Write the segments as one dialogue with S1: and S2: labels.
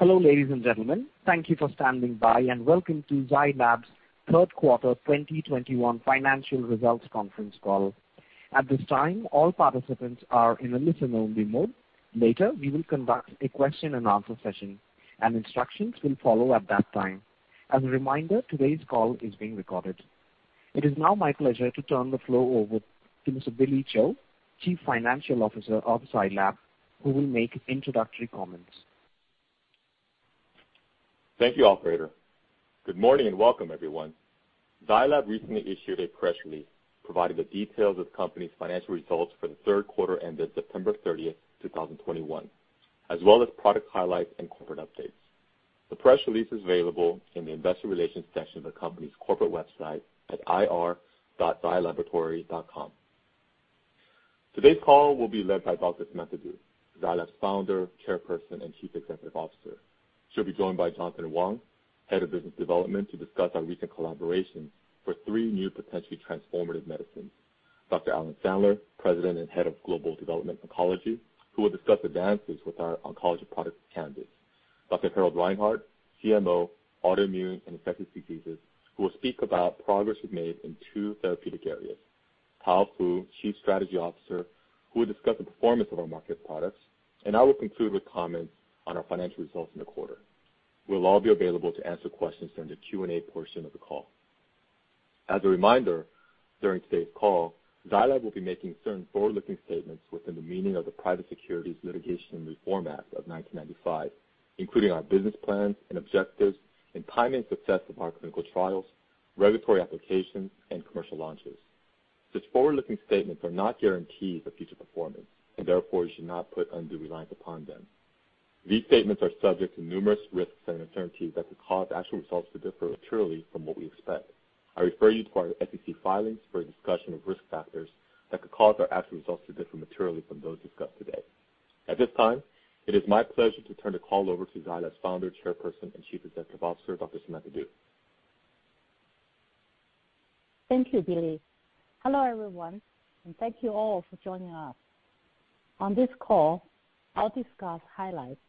S1: Hello, ladies and gentlemen. Thank you for standing by, and welcome to Zai Lab's third quarter 2021 financial results conference call. At this time, all participants are in a listen-only mode. Later, we will conduct a question and answer session, and instructions will follow at that time. As a reminder, today's call is being recorded. It is now my pleasure to turn the floor over to Mr. Billy Cho, Chief Financial Officer of Zai Lab, who will make introductory comments.
S2: Thank you, operator. Good morning and welcome, everyone. Zai Lab recently issued a press release providing the details of the company's financial results for the third quarter ended September 30, 2021, as well as product highlights and corporate updates. The press release is available in the investor relations section of the company's corporate website at ir.zailaboratory.com. Today's call will be led by Dr. Samantha Du, Zai Lab's Founder, Chairperson, and Chief Executive Officer. She'll be joined by Jonathan Wang, Head of Business Development, to discuss our recent collaboration for three new potentially transformative medicines. Dr. Alan Sandler, President and Head of Global Development, Oncology, who will discuss advances with our oncology product candidates. Dr. Harald Reinhart, Chief Medical Officer, Autoimmune and Infectious Diseases, who will speak about progress we've made in two therapeutic areas. Tao Fu, Chief Strategy Officer, who will discuss the performance of our market products, and I will conclude with comments on our financial results in the quarter. We'll all be available to answer questions during the Q&A portion of the call. As a reminder, during today's call, Zai Lab will be making certain forward-looking statements within the meaning of the Private Securities Litigation Reform Act of 1995, including our business plans and objectives in timing success of our clinical trials, regulatory applications, and commercial launches. These forward-looking statements are not guarantees of future performance and therefore you should not put undue reliance upon them. These statements are subject to numerous risks and uncertainties that could cause actual results to differ materially from what we expect. I refer you to our SEC filings for a discussion of risk factors that could cause our actual results to differ materially from those discussed today. At this time, it is my pleasure to turn the call over to Zai Lab's Founder, Chairperson, and Chief Executive Officer, Dr. Samantha Du.
S3: Thank you, Billy. Hello, everyone, and thank you all for joining us. On this call, I'll discuss highlights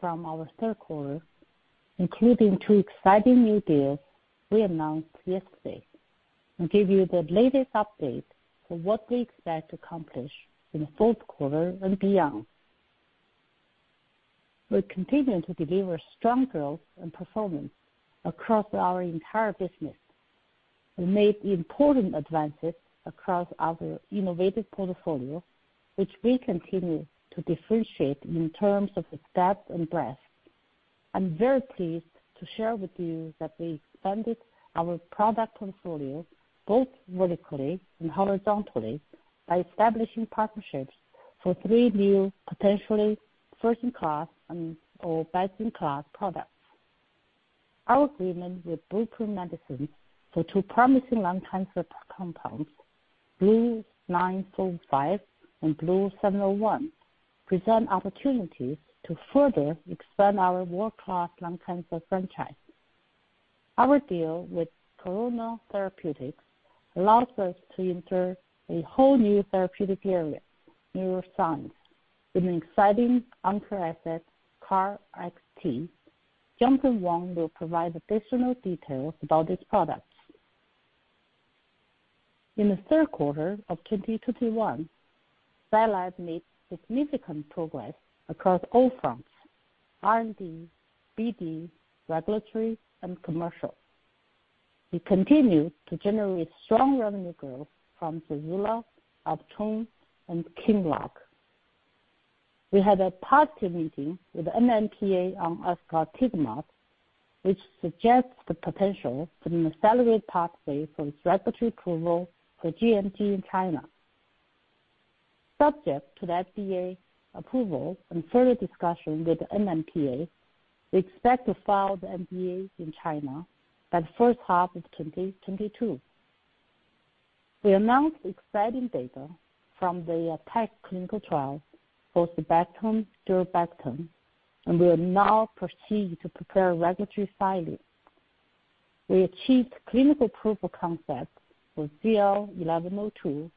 S3: from our third quarter, including two exciting new deals we announced yesterday, and give you the latest update for what we expect to accomplish in the fourth quarter and beyond. We're continuing to deliver strong growth and performance across our entire business. We made important advances across our innovative portfolio, which we continue to differentiate in terms of its depth and breadth. I'm very pleased to share with you that we expanded our product portfolio both vertically and horizontally by establishing partnerships for three new potentially first-in-class or best-in-class products. Our agreement with Blueprint Medicines for two promising lung cancer compounds, BLU-945 and BLU-701, present opportunities to further expand our world-class lung cancer franchise. Our deal with Karuna Therapeutics allows us to enter a whole new therapeutic area, neuroscience, with an exciting anchor asset, KarXT. Jonathan Wang will provide additional details about these products. In the third quarter of 2021, Zai Lab made significant progress across all fronts, R&D, BD, regulatory, and commercial. We continue to generate strong revenue growth from ZEJULA, Optune, and QINLOCK. We had a positive meeting with the NMPA on efgartigimod, which suggests the potential for an accelerated pathway for its regulatory approval for gMG in China. Subject to the FDA approval and further discussion with the NMPA, we expect to file the NDA in China by the first half of 2022. We announced exciting data from the ATTACK clinical trial for sulbactam, durlobactam, and we will now proceed to prepare regulatory filing. We achieved clinical proof of concept for ZL-1102,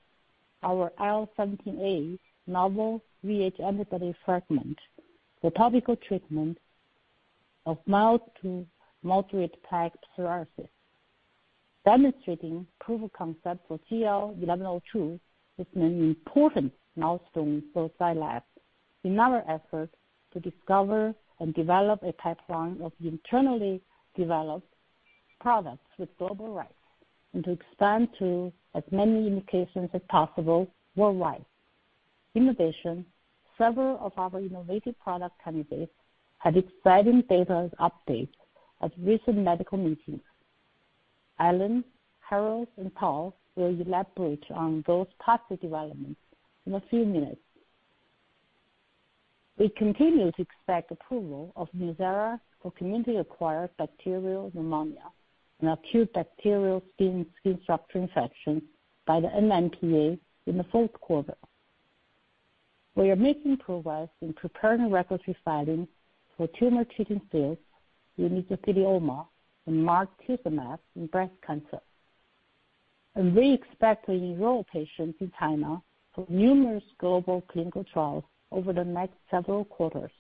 S3: our IL-17A novel VH antibody fragment for topical treatment of mild to moderate plaque psoriasis. Demonstrating proof of concept for ZL-1102 is an important milestone for Zai Lab in our effort to discover and develop a pipeline of internally developed products with global rights, and to expand to as many indications as possible worldwide. In addition, several of our innovative product candidates had exciting data updates at recent medical meetings. Alan, Harald, and Tao will elaborate on those positive developments in a few minutes. We continue to expect approval of NUZYRA for community-acquired bacterial pneumonia and acute bacterial skin and skin structure infection by the NMPA in the fourth quarter. We are making progress in preparing regulatory filings for Tumor Treating Fields unique to glioma and margetuximab in breast cancer. We expect to enroll patients in China for numerous global clinical trials over the next several quarters.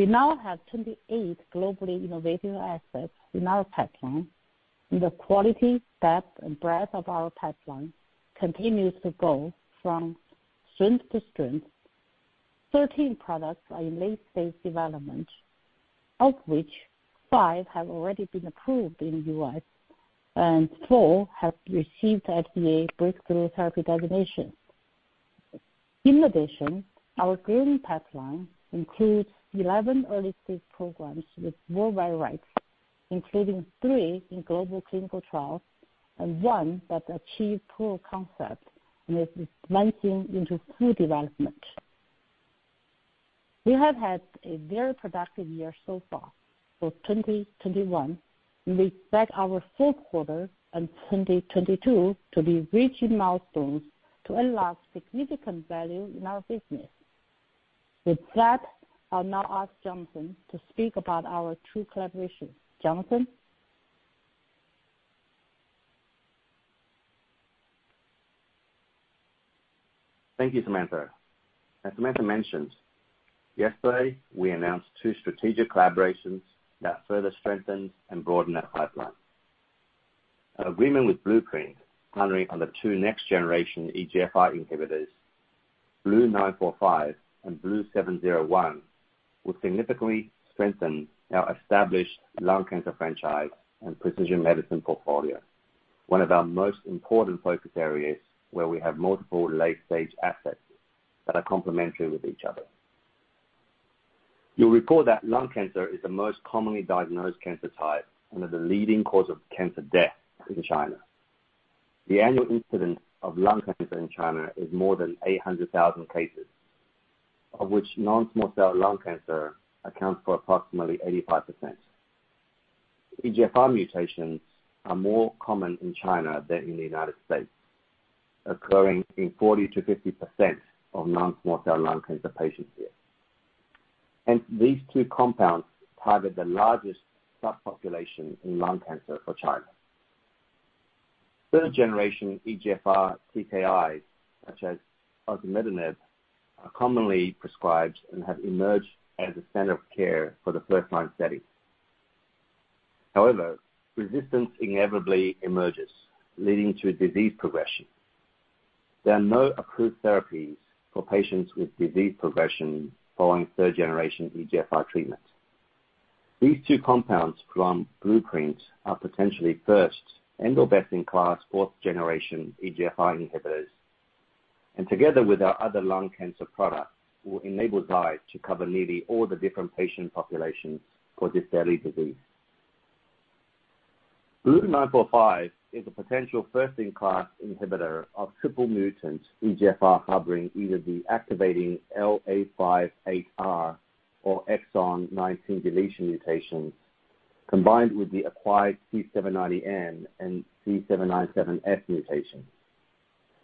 S3: We now have 28 globally innovative assets in our pipeline, and the quality, depth, and breadth of our pipeline continues to go from strength to strength. 13 products are in late-stage development, of which five have already been approved in the U.S., and four have received FDA breakthrough therapy designation. In addition, our growing pipeline includes 11 early-stage programs with worldwide rights, including three in global clinical trials and one that achieved proof of concept and is advancing into full development. We have had a very productive year so far for 2021, and we expect our fourth quarter and 2022 to be rich in milestones to unlock significant value in our business. With that, I'll now ask Jonathan to speak about our two collaborations. Jonathan?
S4: Thank you, Samantha. As Samantha mentioned, yesterday we announced two strategic collaborations that further strengthen and broaden our pipeline. Our agreement with Blueprint Medicines partnering on the two next-generation EGFR inhibitors, BLU-945 and BLU-701, will significantly strengthen our established lung cancer franchise and precision medicine portfolio, one of our most important focus areas where we have multiple late-stage assets that are complementary with each other. You'll recall that lung cancer is the most commonly diagnosed cancer type and is a leading cause of cancer death in China. The annual incidence of lung cancer in China is more than 800,000 cases, of which non-small cell lung cancer accounts for approximately 85%. EGFR mutations are more common in China than in the United States, occurring in 40%-50% of non-small cell lung cancer patients here. These two compounds target the largest subpopulation in lung cancer for China. Third-generation EGFR TKIs, such as osimertinib, are commonly prescribed and have emerged as a standard of care for the first-line setting. However, resistance inevitably emerges, leading to disease progression. There are no approved therapies for patients with disease progression following third-generation EGFR treatment. These two compounds from Blueprint are potentially first and/or best-in-class fourth-generation EGFR inhibitors. Together with our other lung cancer products, will enable Zai to cover nearly all the different patient populations for this deadly disease. BLU-945 is a potential first-in-class inhibitor of triple mutant EGFR harboring either the activating L858R or exon 19 deletion mutations, combined with the acquired T790M and C797S mutations.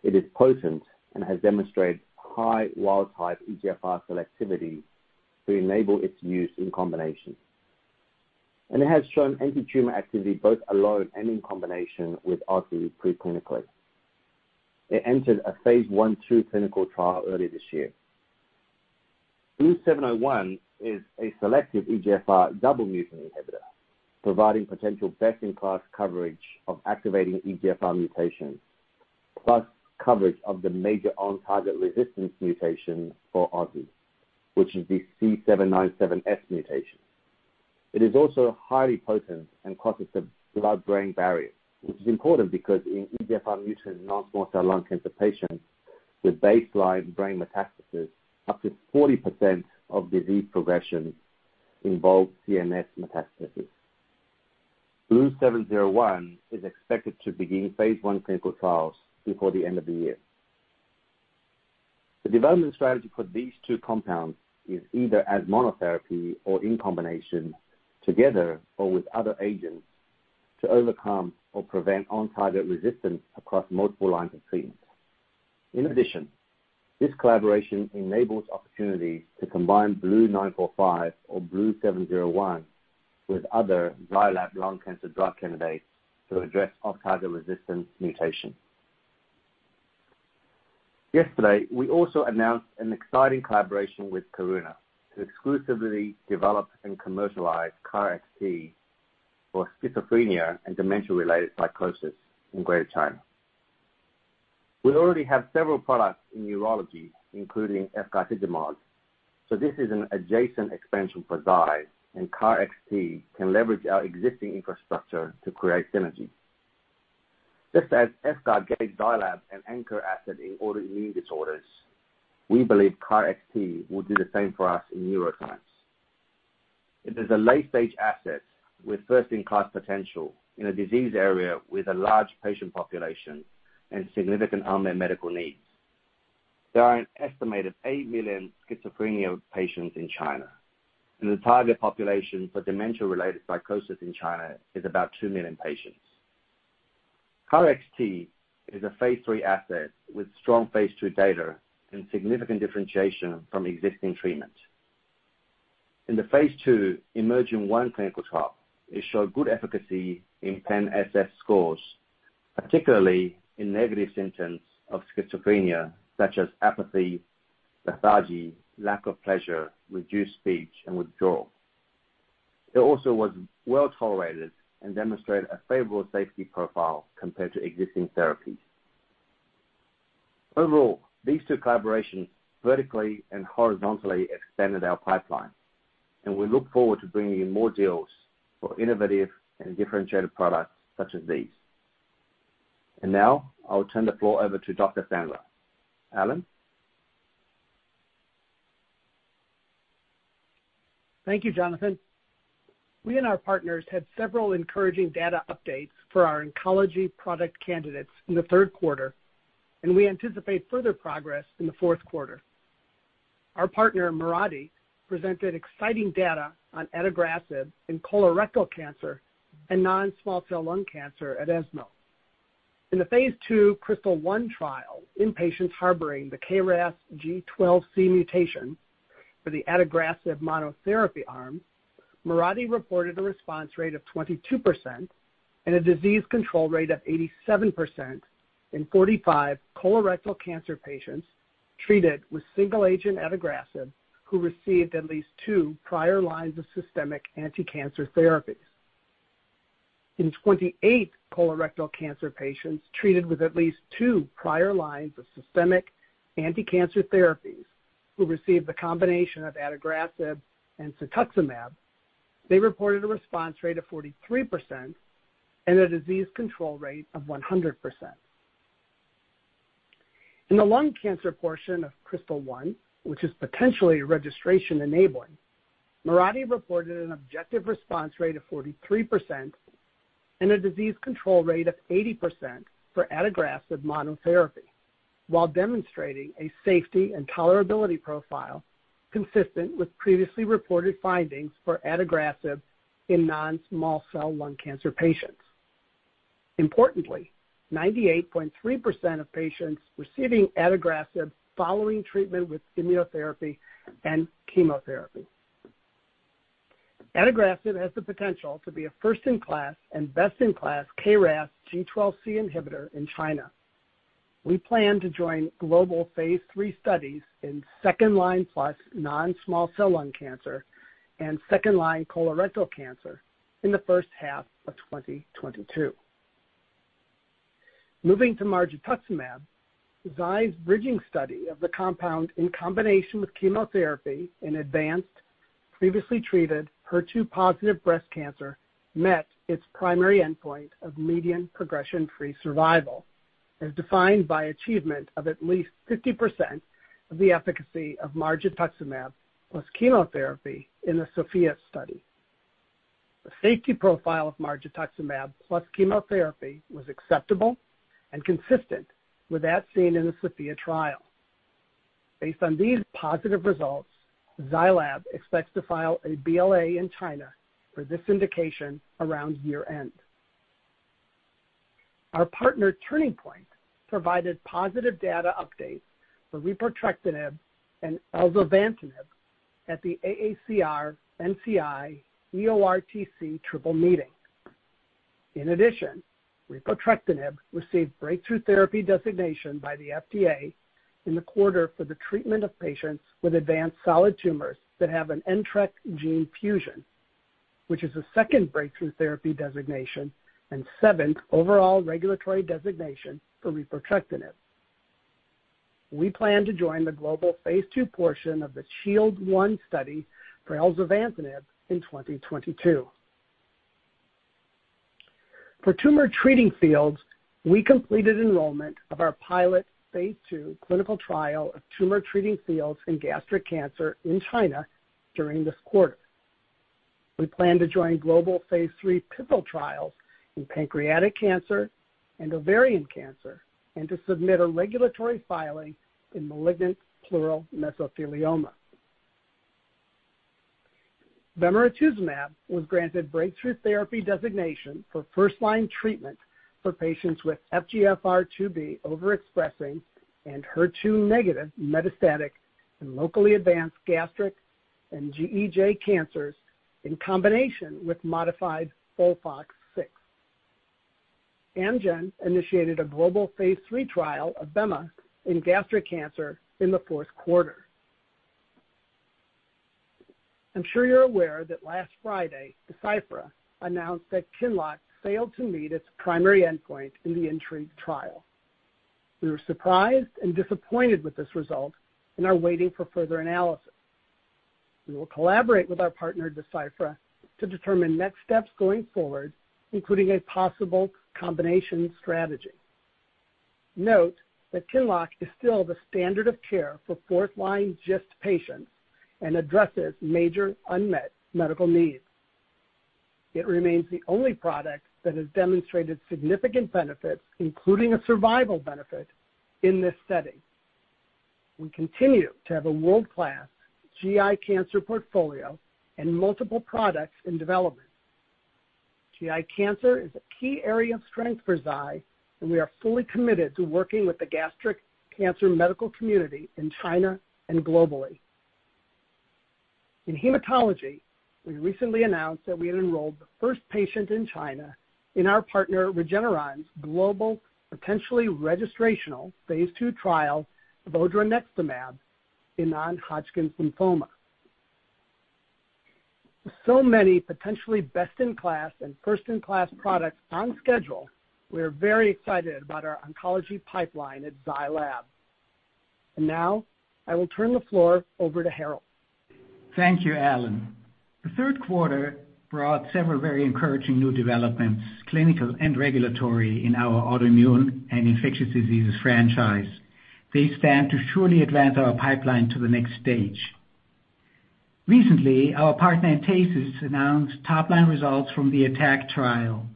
S4: It is potent and has demonstrated high wild-type EGFR selectivity to enable its use in combination. It has shown antitumor activity both alone and in combination with osimertinib pre-clinically. It entered a phase I/II clinical trial early this year. BLU-701 is a selective EGFR double mutant inhibitor, providing potential best-in-class coverage of activating EGFR mutations, plus coverage of the major on-target resistance mutation for osimertinib, which is the C797S mutation. It is also highly potent and crosses the blood-brain barrier, which is important because in EGFR mutant non-small cell lung cancer patients with baseline brain metastasis, up to 40% of disease progression involves CNS metastasis. BLU-701 is expected to begin phase I clinical trials before the end of the year. The development strategy for these two compounds is either as monotherapy or in combination together or with other agents to overcome or prevent on-target resistance across multiple lines of treatment. In addition, this collaboration enables opportunities to combine BLU-945 or BLU-701 with other Zai Lab lung cancer drug candidates to address on-target resistance mutation. Yesterday, we also announced an exciting collaboration with Karuna to exclusively develop and commercialize KarXT for schizophrenia and dementia-related psychosis in Greater China. We already have several products in neurology, including efgartigimod, so this is an adjacent expansion for Zai, and KarXT can leverage our existing infrastructure to create synergy. Just as efgartigimod gave Zai Lab an anchor asset in autoimmune disorders, we believe KarXT will do the same for us in neuroscience. It is a late-stage asset with first-in-class potential in a disease area with a large patient population and significant unmet medical needs. There are an estimated eight million schizophrenia patients in China, and the target population for dementia-related psychosis in China is about two million patients. KarXT is a phase III asset with strong phase II data and significant differentiation from existing treatment. In the phase II EMERGENT-1 clinical trial, it showed good efficacy in PANSS scores, particularly in negative symptoms of schizophrenia such as apathy, lethargy, lack of pleasure, reduced speech, and withdrawal. It also was well-tolerated and demonstrated a favorable safety profile compared to existing therapies. Overall, these two collaborations vertically and horizontally expanded our pipeline, and we look forward to bringing in more deals for innovative and differentiated products such as these. Now, I'll turn the floor over to Dr. Alan Sandler.
S5: Thank you, Jonathan. We and our partners had several encouraging data updates for our oncology product candidates in the third quarter, and we anticipate further progress in the fourth quarter. Our partner, Mirati, presented exciting data on adagrasib in colorectal cancer and non-small cell lung cancer at ESMO. In the phase II KRYSTAL-1 trial in patients harboring the KRAS G12C mutation for the adagrasib monotherapy arm, Mirati reported a response rate of 22% and a disease control rate of 87% in 45 colorectal cancer patients treated with single-agent adagrasib who received at least two prior lines of systemic anticancer therapies. In 28 colorectal cancer patients treated with at least two prior lines of systemic anticancer therapies who received the combination of adagrasib and cetuximab, they reported a response rate of 43% and a disease control rate of 100%. In the lung cancer portion of KRYSTAL-1, which is potentially registration enabling, Mirati reported an objective response rate of 43% and a disease control rate of 80% for adagrasib monotherapy while demonstrating a safety and tolerability profile consistent with previously reported findings for adagrasib in non-small cell lung cancer patients, importantly, 98.3% of patients receiving adagrasib following treatment with immunotherapy and chemotherapy. Adagrasib has the potential to be a first-in-class and best-in-class KRAS G12C inhibitor in China. We plan to join global phase III studies in second-line plus non-small cell lung cancer and second-line colorectal cancer in the first half of 2022. Moving to margetuximab, Zai's bridging study of the compound in combination with chemotherapy in advanced previously treated HER2-positive breast cancer met its primary endpoint of median progression-free survival, as defined by achievement of at least 50% of the efficacy of margetuximab plus chemotherapy in the SOPHIA study. The safety profile of margetuximab plus chemotherapy was acceptable and consistent with that seen in the SOPHIA trial. Based on these positive results, Zai Lab expects to file a BLA in China for this indication around year-end. Our partner, Turning Point, provided positive data updates for repotrectinib and elzovantinib at the AACR-NCI-EORTC triple meeting. In addition, repotrectinib received breakthrough therapy designation by the FDA in the quarter for the treatment of patients with advanced solid tumors that have an NTRK gene fusion, which is the second breakthrough therapy designation and seventh overall regulatory designation for repotrectinib. We plan to join the global phase II portion of the SHIELD-1 study for elzovantinib in 2022. For Tumor Treating Fields, we completed enrollment of our pilot phase II clinical trial of Tumor Treating Fields in gastric cancer in China during this quarter. We plan to join global phase III pivotal trials in pancreatic cancer and ovarian cancer and to submit a regulatory filing in malignant pleural mesothelioma. Bemarituzumab was granted breakthrough therapy designation for first-line treatment for patients with FGFR2b-overexpressing and HER2-negative metastatic and locally advanced gastric and GEJ cancers in combination with modified FOLFOX6. Amgen initiated a global phase III trial of bemarituzumab in gastric cancer in the fourth quarter. I'm sure you're aware that last Friday, Deciphera announced that QINLOCK failed to meet its primary endpoint in the INTRIGUE trial. We were surprised and disappointed with this result and are waiting for further analysis. We will collaborate with our partner, Deciphera, to determine next steps going forward, including a possible combination strategy. Note that QINLOCK is still the standard of care for fourth-line GIST patients and addresses major unmet medical needs. It remains the only product that has demonstrated significant benefits, including a survival benefit, in this setting. We continue to have a world-class GI cancer portfolio and multiple products in development. GI cancer is a key area of strength for Zai, and we are fully committed to working with the gastric cancer medical community in China and globally. In hematology, we recently announced that we had enrolled the first patient in China in our partner Regeneron's global, potentially registrational phase II trial of odronextamab in non-Hodgkin's lymphoma. With so many potentially best-in-class and first-in-class products on schedule, we are very excited about our oncology pipeline at Zai Lab. Now I will turn the floor over to Harald.
S6: Thank you, Alan. The third quarter brought several very encouraging new developments, clinical and regulatory, in our autoimmune and infectious diseases franchise. They stand to surely advance our pipeline to the next stage. Recently, our partner, Entasis, announced top-line results from the ATTACK trial.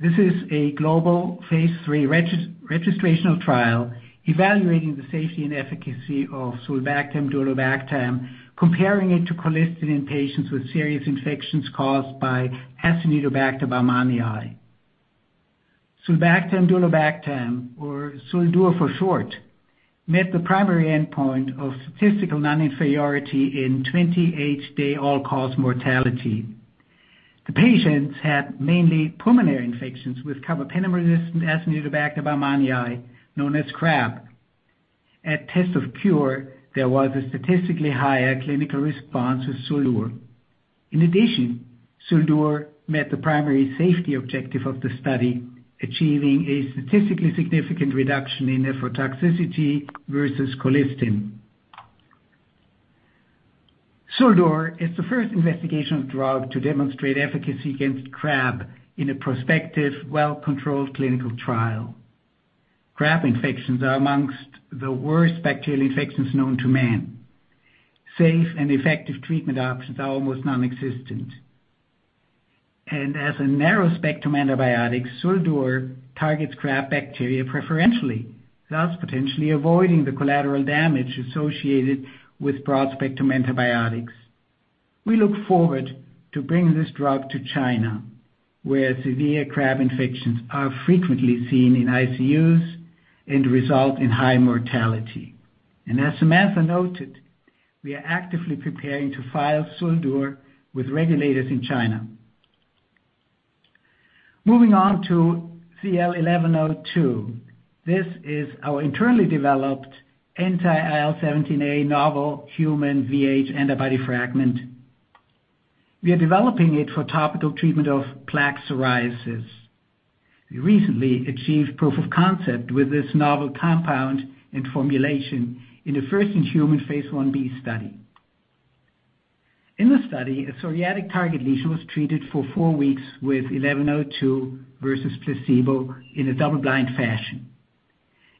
S6: This is a global phase III registrational trial evaluating the safety and efficacy of sulbactam-durlobactam, comparing it to colistin in patients with serious infections caused by Acinetobacter baumannii. Sulbactam-durlobactam, or SUL-DUR for short, met the primary endpoint of statistical non-inferiority in 28-day all-cause mortality. The patients had mainly pulmonary infections with carbapenem-resistant Acinetobacter baumannii, known as CRAB. At test of cure, there was a statistically higher clinical response with SUL-DUR. In addition, SUL-DUR met the primary safety objective of the study, achieving a statistically significant reduction in nephrotoxicity versus colistin. SUL-DUR is the first investigational drug to demonstrate efficacy against CRAB in a prospective, well-controlled clinical trial. CRAB infections are among the worst bacterial infections known to man. Safe and effective treatment options are almost non-existent. As a narrow-spectrum antibiotic, SUL-DUR targets CRAB bacteria preferentially, thus potentially avoiding the collateral damage associated with broad-spectrum antibiotics. We look forward to bringing this drug to China, where severe CRAB infections are frequently seen in ICUs and result in high mortality. As Samantha noted, we are actively preparing to file SUL-DUR with regulators in China. Moving on to ZL-1102. This is our internally developed anti-IL-17A novel human VH antibody fragment. We are developing it for topical treatment of plaque psoriasis. We recently achieved proof of concept with this novel compound and formulation in the first-in-human phase I(b) study. In the study, a psoriatic target lesion was treated for four weeks with ZL-1102 versus placebo in a double-blind fashion.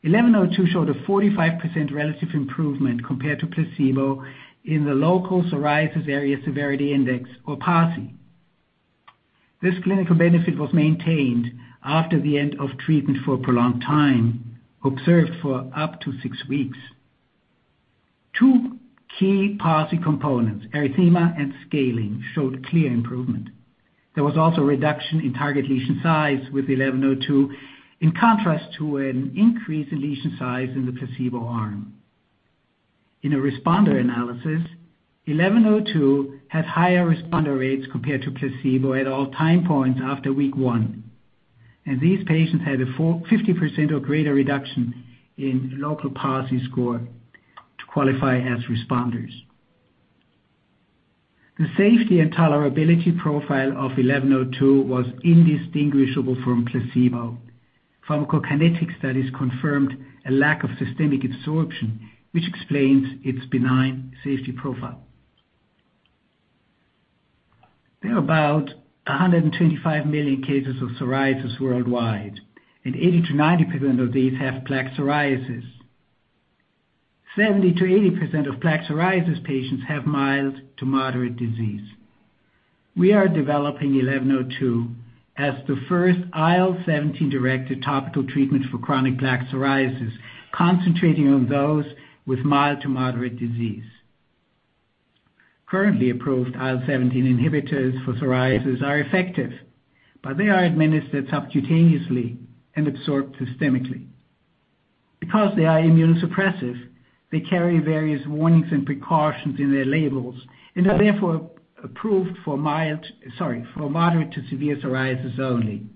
S6: ZL-1102 showed a 45% relative improvement compared to placebo in the local psoriasis area severity index, or PASI. This clinical benefit was maintained after the end of treatment for a prolonged time, observed for up to six weeks. two key PASI components, erythema and scaling, showed clear improvement. There was also a reduction in target lesion size with ZL-1102, in contrast to an increase in lesion size in the placebo arm. In a responder analysis, ZL-1102 had higher responder rates compared to placebo at all time points after week one. These patients had a 45% or greater reduction in local PASI score to qualify as responders. The safety and tolerability profile of ZL-1102 was indistinguishable from placebo. Pharmacokinetic studies confirmed a lack of systemic absorption, which explains its benign safety profile. There are about 125 million cases of psoriasis worldwide, and 80%-90% of these have plaque psoriasis. 70%-80% of plaque psoriasis patients have mild to moderate disease. We are developing ZL-1102 as the first IL-17-directed topical treatment for chronic plaque psoriasis, concentrating on those with mild to moderate disease. Currently approved IL-17 inhibitors for psoriasis are effective, but they are administered subcutaneously and absorbed systemically. Because they are immunosuppressive, they carry various warnings and precautions in their labels and are therefore approved for moderate to severe psoriasis only.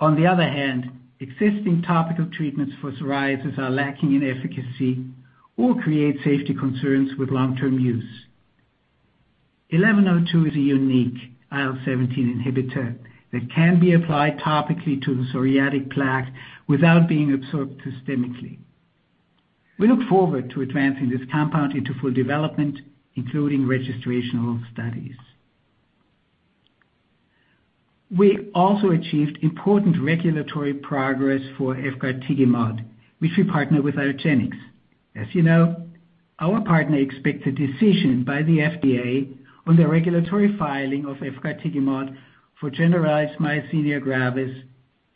S6: On the other hand, existing topical treatments for psoriasis are lacking in efficacy or create safety concerns with long-term use. ZL-1102 is a unique IL-17 inhibitor that can be applied topically to the psoriatic plaque without being absorbed systemically. We look forward to advancing this compound into full development, including registrational studies. We also achieved important regulatory progress for efgartigimod, which we partner with argenx. As you know, our partner expects a decision by the FDA on the regulatory filing of efgartigimod for generalized myasthenia gravis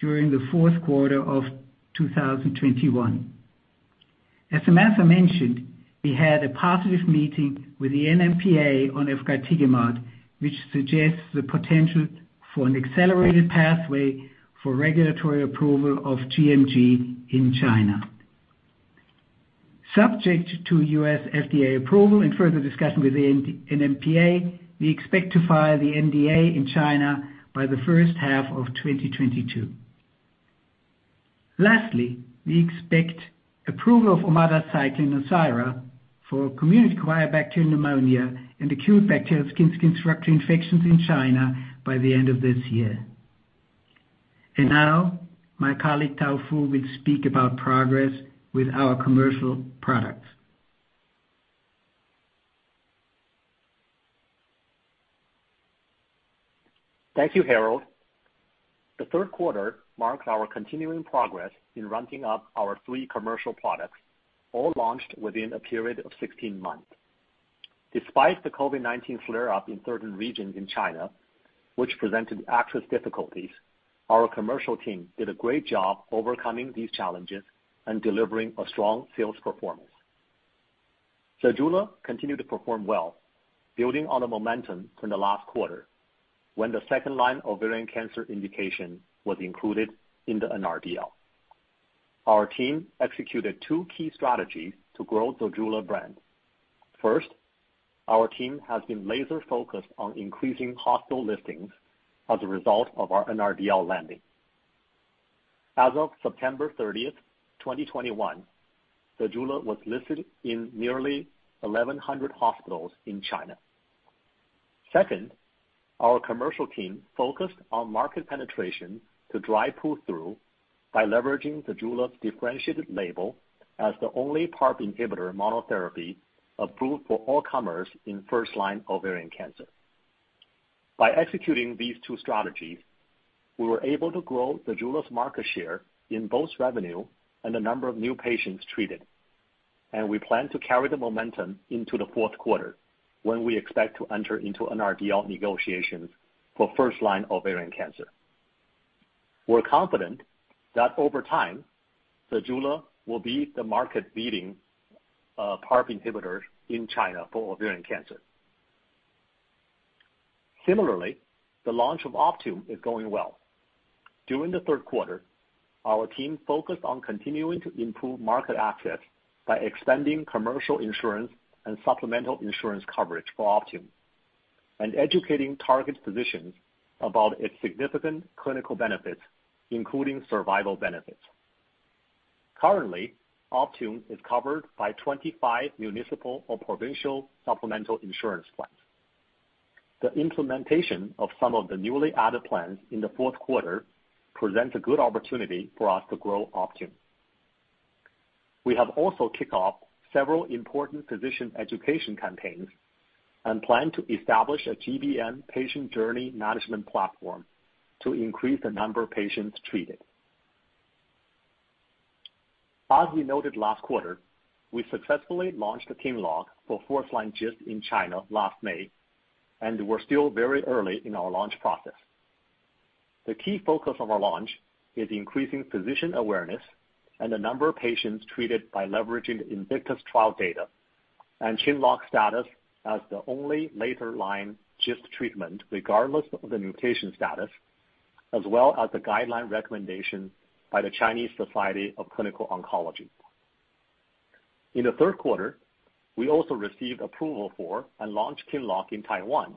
S6: during the fourth quarter of 2021. As Samantha mentioned, we had a positive meeting with the NMPA on efgartigimod, which suggests the potential for an accelerated pathway for regulatory approval of gMG in China. Subject to U.S. FDA approval and further discussion with the NMPA, we expect to file the NDA in China by the first half of 2022. Lastly, we expect approval of omadacycline for community-acquired bacterial pneumonia and acute bacterial skin structure infections in China by the end of this year. Now, my colleague, Tao Fu, will speak about progress with our commercial products.
S7: Thank you, Harald. The third quarter marks our continuing progress in ramping up our three commercial products, all launched within a period of 16 months. Despite the COVID-19 flare-up in certain regions in China, which presented access difficulties, our commercial team did a great job overcoming these challenges and delivering a strong sales performance. ZEJULA continued to perform well, building on the momentum from the last quarter, when the second line ovarian cancer indication was included in the NRDL. Our team executed two key strategies to grow ZEJULA brand. First, our team has been laser-focused on increasing hospital listings as a result of our NRDL landing. As of September 30, 2021, ZEJULA was listed in nearly 1,100 hospitals in China. Second, our commercial team focused on market penetration to drive pull-through by leveraging ZEJULA's differentiated label as the only PARP inhibitor monotherapy approved for all comers in first-line ovarian cancer. By executing these two strategies, we were able to grow ZEJULA's market share in both revenue and the number of new patients treated, and we plan to carry the momentum into the fourth quarter, when we expect to enter into NRDL negotiations for first-line ovarian cancer. We're confident that over time, ZEJULA will be the market-leading PARP inhibitor in China for ovarian cancer. Similarly, the launch of Optune is going well. During the third quarter, our team focused on continuing to improve market access by expanding commercial insurance and supplemental insurance coverage for Optune and educating target physicians about its significant clinical benefits, including survival benefits. Currently, Optune is covered by 25 municipal or provincial supplemental insurance plans. The implementation of some of the newly added plans in the fourth quarter presents a good opportunity for us to grow Optune. We have also kicked off several important physician education campaigns and plan to establish a GBM patient journey management platform to increase the number of patients treated. As we noted last quarter, we successfully launched QINLOCK for fourth-line GIST in China last May, and we're still very early in our launch process. The key focus of our launch is increasing physician awareness and the number of patients treated by leveraging the INVICTUS trial data and QINLOCK status as the only later line GIST treatment, regardless of the mutation status, as well as the guideline recommendation by the Chinese Society of Clinical Oncology. In the third quarter, we also received approval for and launched QINLOCK in Taiwan,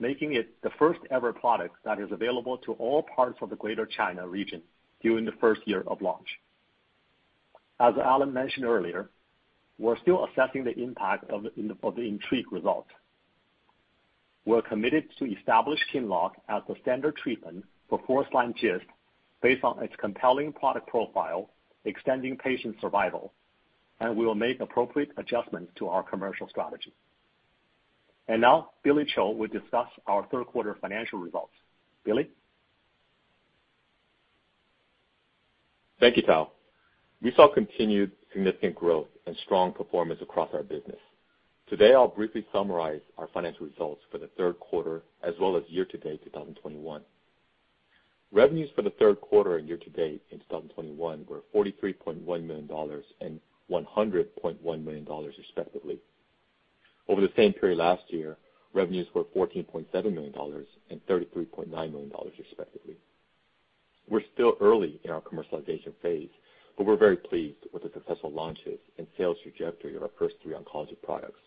S7: making it the first-ever product that is available to all parts of the Greater China region during the first year of launch. As Alan mentioned earlier, we're still assessing the impact of the INTRIGUE result. We're committed to establish QINLOCK as the standard treatment for fourth-line GIST based on its compelling product profile, extending patient survival, and we will make appropriate adjustments to our commercial strategy. Now, Billy Cho will discuss our third quarter financial results. Billy?
S2: Thank you, Tao. We saw continued significant growth and strong performance across our business. Today, I'll briefly summarize our financial results for the third quarter as well as year-to-date 2021. Revenues for the third quarter and year-to-date in 2021 were $43.1 million and $100.1 million, respectively. Over the same period last year, revenues were $14.7 million and $33.9 million, respectively. We're still early in our commercialization phase, but we're very pleased with the successful launches and sales trajectory of our first three oncology products.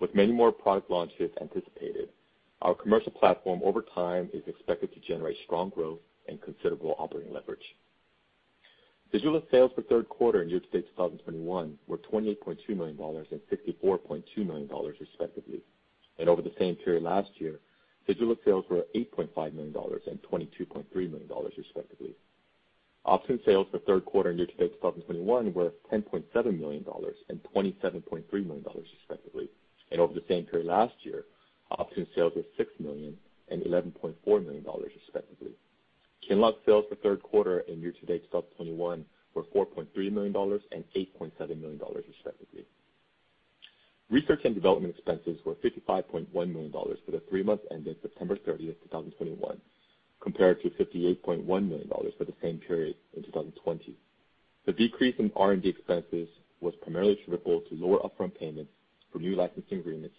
S2: With many more product launches anticipated, our commercial platform over time is expected to generate strong growth and considerable operating leverage. ZEJULA sales for third quarter and year-to-date 2021 were $28.2 million and $64.2 million, respectively. Over the same period last year, ZEJULA sales were $8.5 million and $22.3 million, respectively. Optune sales for third quarter and year-to-date 2021 were $10.7 million and $27.3 million, respectively. Over the same period last year, Optune sales were $6 million and $11.4 million, respectively. QINLOCK sales for third quarter and year-to-date 2021 were $4.3 million and $8.7 million. Research and development expenses were $55.1 million for the three months ended September 30, 2021, compared to $58.1 million for the same period in 2020. The decrease in R&D expenses was primarily attributable to lower upfront payments for new licensing agreements,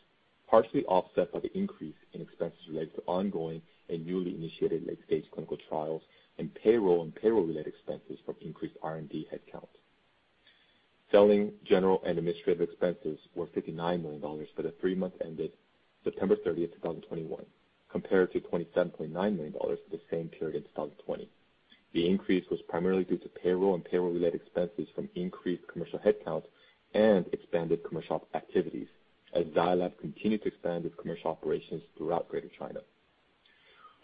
S2: partially offset by the increase in expenses related to ongoing and newly initiated late-stage clinical trials and payroll and payroll-related expenses from increased R&D headcount. Selling, general, and administrative expenses were $59 million for the three months ended September 30, 2021, compared to $27.9 million for the same period in 2020. The increase was primarily due to payroll and payroll-related expenses from increased commercial headcount and expanded commercial activities as Zai Lab continued to expand its commercial operations throughout Greater China.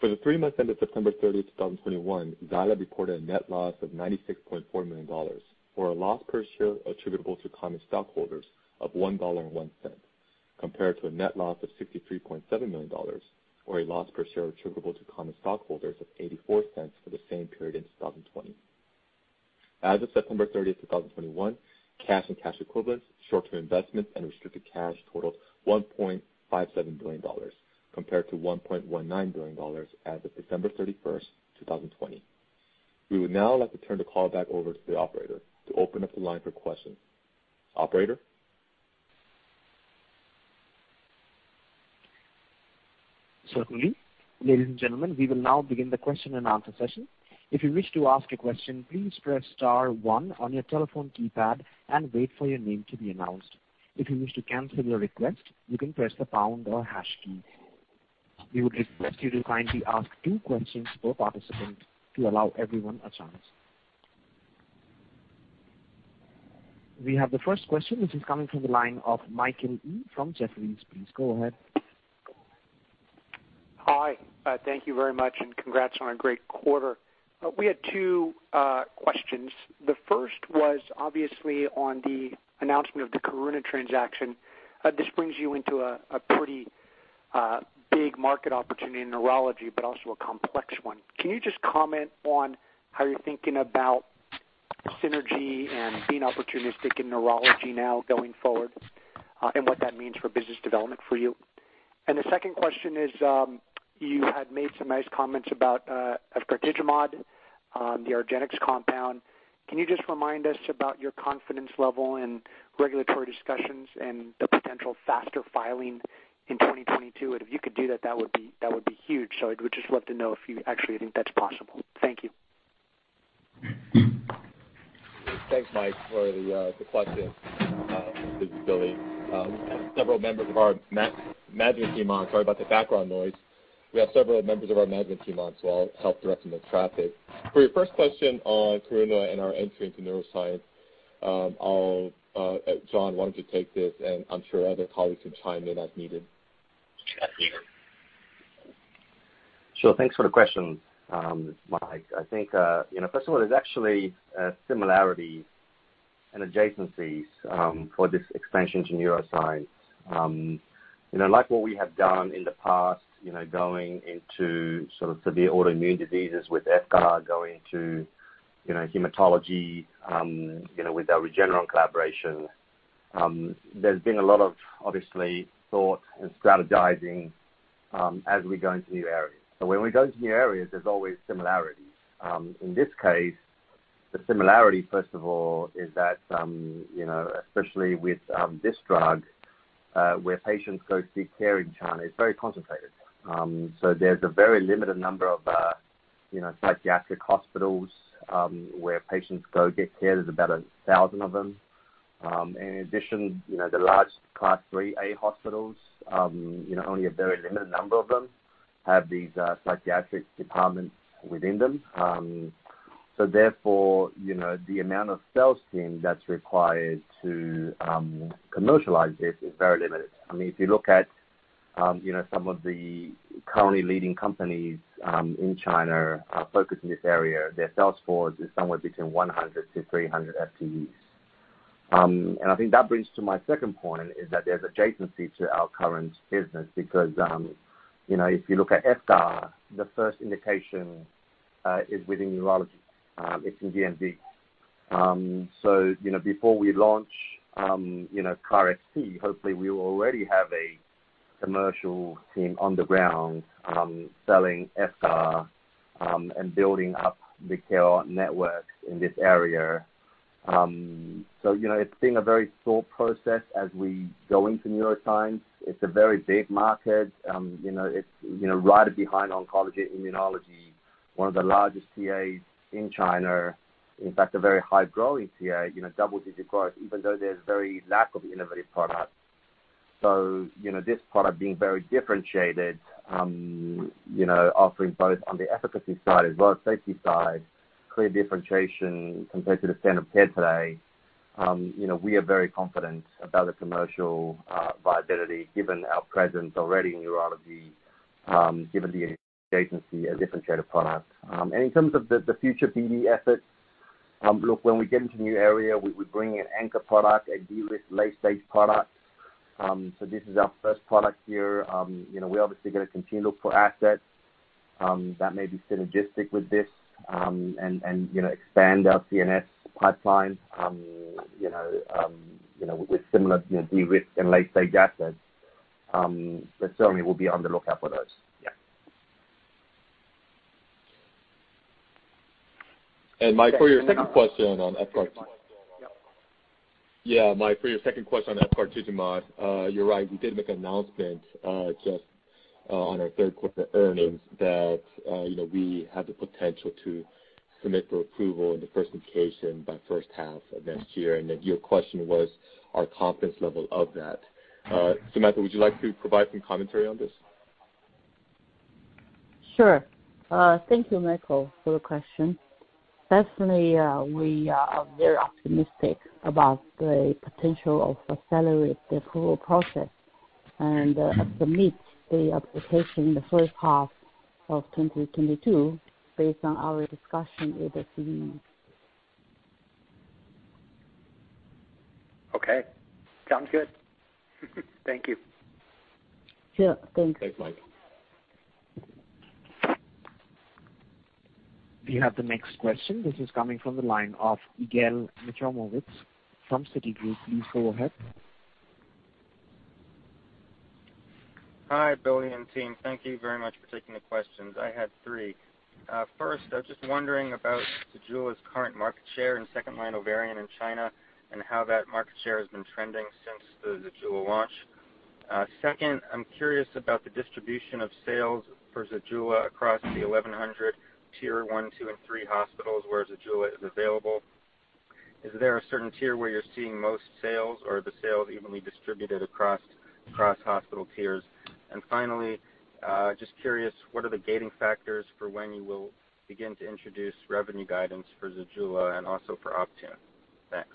S2: For the three months ended September 30, 2021, Zai Lab reported a net loss of $96.4 million, or a loss per share attributable to common stockholders of $1.01, compared to a net loss of $63.7 million or a loss per share attributable to common stockholders of $0.84 for the same period in 2020. As of September 30, 2021, cash and cash equivalents, short-term investments, and restricted cash totaled $1.57 billion compared to $1.19 billion as of December 31, 2020. We would now like to turn the call back over to the operator to open up the line for questions. Operator?
S1: Certainly. Ladies and gentlemen, we will now begin the question and answer session. If you wish to ask a question, please press star one on your telephone keypad and wait for your name to be announced. If you wish to cancel your request, you can press the pound or hash key. We would request you to kindly ask two questions per participant to allow everyone a chance. We have the first question, which is coming from the line of Michael Yee from Jefferies. Please go ahead.
S8: Hi. Thank you very much and congrats on a great quarter. We had two questions. The first was obviously on the announcement of the Karuna transaction. This brings you into a pretty big market opportunity in neurology, but also a complex one. Can you just comment on how you're thinking about synergy and being opportunistic in neurology now going forward, and what that means for business development for you? The second question is, you had made some nice comments about efgartigimod, the argenx compound. Can you just remind us about your confidence level in regulatory discussions and the potential faster filing in 2022? And if you could do that would be huge. So I would just love to know if you actually think that's possible. Thank you.
S2: Thanks, Michael, for the question. This is Billy. Sorry about the background noise. We have several members of our management team on, so I'll help direct them like traffic. For your first question on Karuna and our entry into neuroscience, I'll, Jonathan, why don't you take this? I'm sure other colleagues can chime in as needed.
S8: Sure.
S4: Sure. Thanks for the question, Mike. I think, you know, first of all, there's actually a similarity and adjacencies for this expansion to neuroscience. You know, like what we have done in the past, you know, going into sort of severe autoimmune diseases with efgartigimod, going to, you know, hematology, you know, with our Regeneron collaboration, there's been a lot of obvious thought and strategizing as we go into new areas. When we go into new areas, there's always similarities. In this case, the similarity, first of all, is that, you know, especially with this drug, where patients go seek care in China, it's very concentrated. So there's a very limited number of, you know, psychiatric hospitals where patients go get care. There's about 1,000 of them. In addition, you know, the large Class 3A hospitals, you know, only a very limited number of them have these psychiatric departments within them. So therefore, you know, the amount of sales team that's required to commercialize this is very limited. I mean, if you look at, you know, some of the currently leading companies in China focused in this area, their sales force is somewhere between 100-300 FTEs. I think that brings me to my second point, which is that there's adjacency to our current business because, you know, if you look at efgartigimod, the first indication is within neurology. It's in gMG. Before we launch, you know, KarXT, hopefully we will already have a commercial team on the ground, selling Invega, and building up the care network in this area. You know, it's been a very slow process as we go into neuroscience. It's a very big market. You know, it's you know right behind oncology and immunology, one of the largest TAs in China. In fact, a very high-growing TA, you know, double-digit growth, even though there's a lack of innovative products. This product being very differentiated, you know, offering both on the efficacy side as well as safety side, clear differentiation compared to the standard of care today. You know, we are very confident about the commercial viability given our presence already in neurology, given the adjacency, a differentiated product. In terms of the future BD efforts, look, when we get into new area, we bring an anchor product, a de-risked late-stage product. So this is our first product here. You know, we're obviously gonna continue to look for assets that may be synergistic with this, and you know, expand our CNS pipeline, you know, with similar de-risk and late-stage assets, but certainly we'll be on the lookout for those. Yeah.
S2: Mike, for your second question on our
S4: Yeah.
S2: Yeah, Mike, for your second question on efgartigimod, you're right, we did make an announcement just on our third quarter earnings that you know, we have the potential to submit for approval in the first indication by first half of next year. Your question was our confidence level of that. Samantha, would you like to provide some commentary on this?
S3: Sure. Thank you, Michael, for the question. Definitely, we are very optimistic about the potential to accelerate the approval process and submit the application in the first half of 2022 based on our discussion with the NMPA.
S8: Okay. Sounds good. Thank you.
S3: Sure. Thanks.
S2: Thanks, Mike.
S1: We have the next question. This is coming from the line of Yigal Nochomovitz from Citigroup. Please go ahead.
S9: Hi, Billy and team. Thank you very much for taking the questions. I had three. First, I was just wondering about ZEJULA's current market share in second-line ovarian in China and how that market share has been trending since the ZEJULA launch. Second, I'm curious about the distribution of sales for ZEJULA across the 1,100 tier one, two, and three hospitals where ZEJULA is available. Is there a certain tier where you're seeing most sales or are the sales evenly distributed across hospital tiers? Finally, just curious, what are the gating factors for when you will begin to introduce revenue guidance for ZEJULA and also for Optune? Thanks.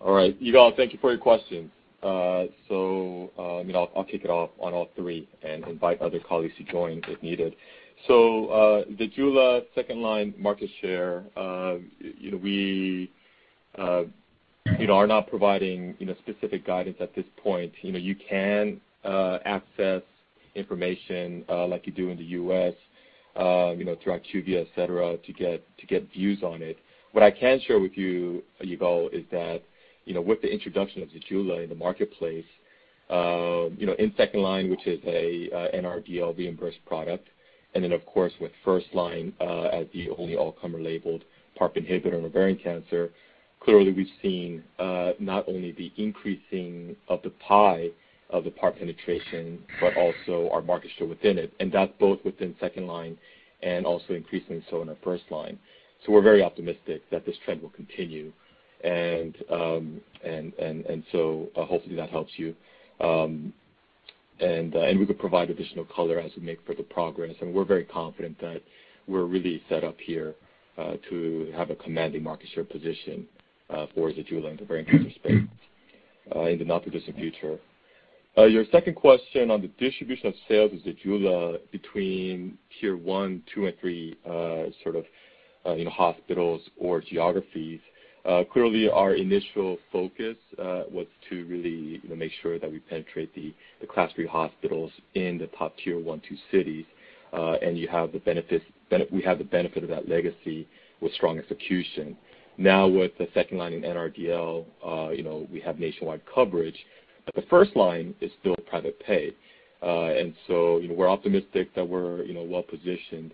S2: All right. Yigal, thank you for your questions. You know, I'll kick it off on all three and invite other colleagues to join if needed. The ZEJULA second line market share, you know, we, you know, are not providing, you know, specific guidance at this point. You know, you can access information, like you do in the U.S., you know, through IQVIA, et cetera, to get views on it. What I can share with you, Yigal, is that, you know, with the introduction of ZEJULA in the marketplace, in second line, which is a NRDL reimbursed product, and then of course, with first line, as the only all-comer labeled PARP inhibitor in ovarian cancer, clearly we've seen, not only the increasing of the pie of the PARP penetration, but also our market share within it, and that's both within second line and also increasingly so in our first line. We're very optimistic that this trend will continue. Hopefully that helps you. We could provide additional color as we make further progress, and we're very confident that we're really set up here to have a commanding market share position for ZEJULA in the ovarian cancer space in the not too distant future. Your second question on the distribution of sales with ZEJULA between tier one, two, and three, sort of, you know, hospitals or geographies. Clearly our initial focus was to really, you know, make sure that we penetrate the class three hospitals in the top tier one, two cities, and we have the benefit of that legacy with strong execution. Now, with the second line in NRDL, you know, we have nationwide coverage, but the first line is still private pay. We're optimistic that we're well-positioned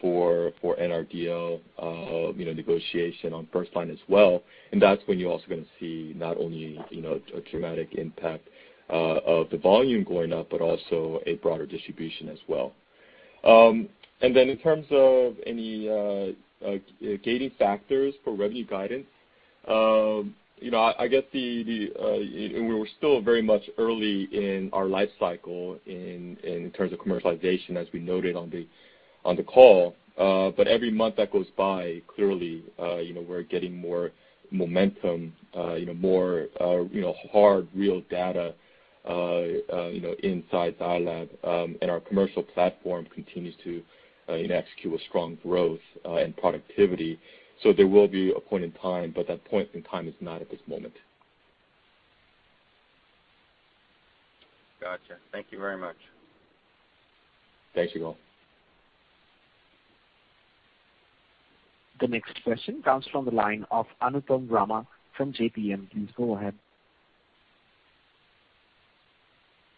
S2: for NRDL negotiation on first line as well, and that's when you're also gonna see not only a dramatic impact of the volume going up, but also a broader distribution as well. In terms of any gating factors for revenue guidance, you know, we're still very much early in our life cycle in terms of commercialization, as we noted on the call. Every month that goes by, clearly, you know, we're getting more momentum, you know, more hard real data, you know, inside Zai Lab, and our commercial platform continues to, you know, execute with strong growth, and productivity. There will be a point in time, but that point in time is not at this moment.
S9: Gotcha. Thank you very much.
S2: Thanks, Yigal.
S1: The next question comes from the line of Anupam Rama from JPMorgan. Please go ahead.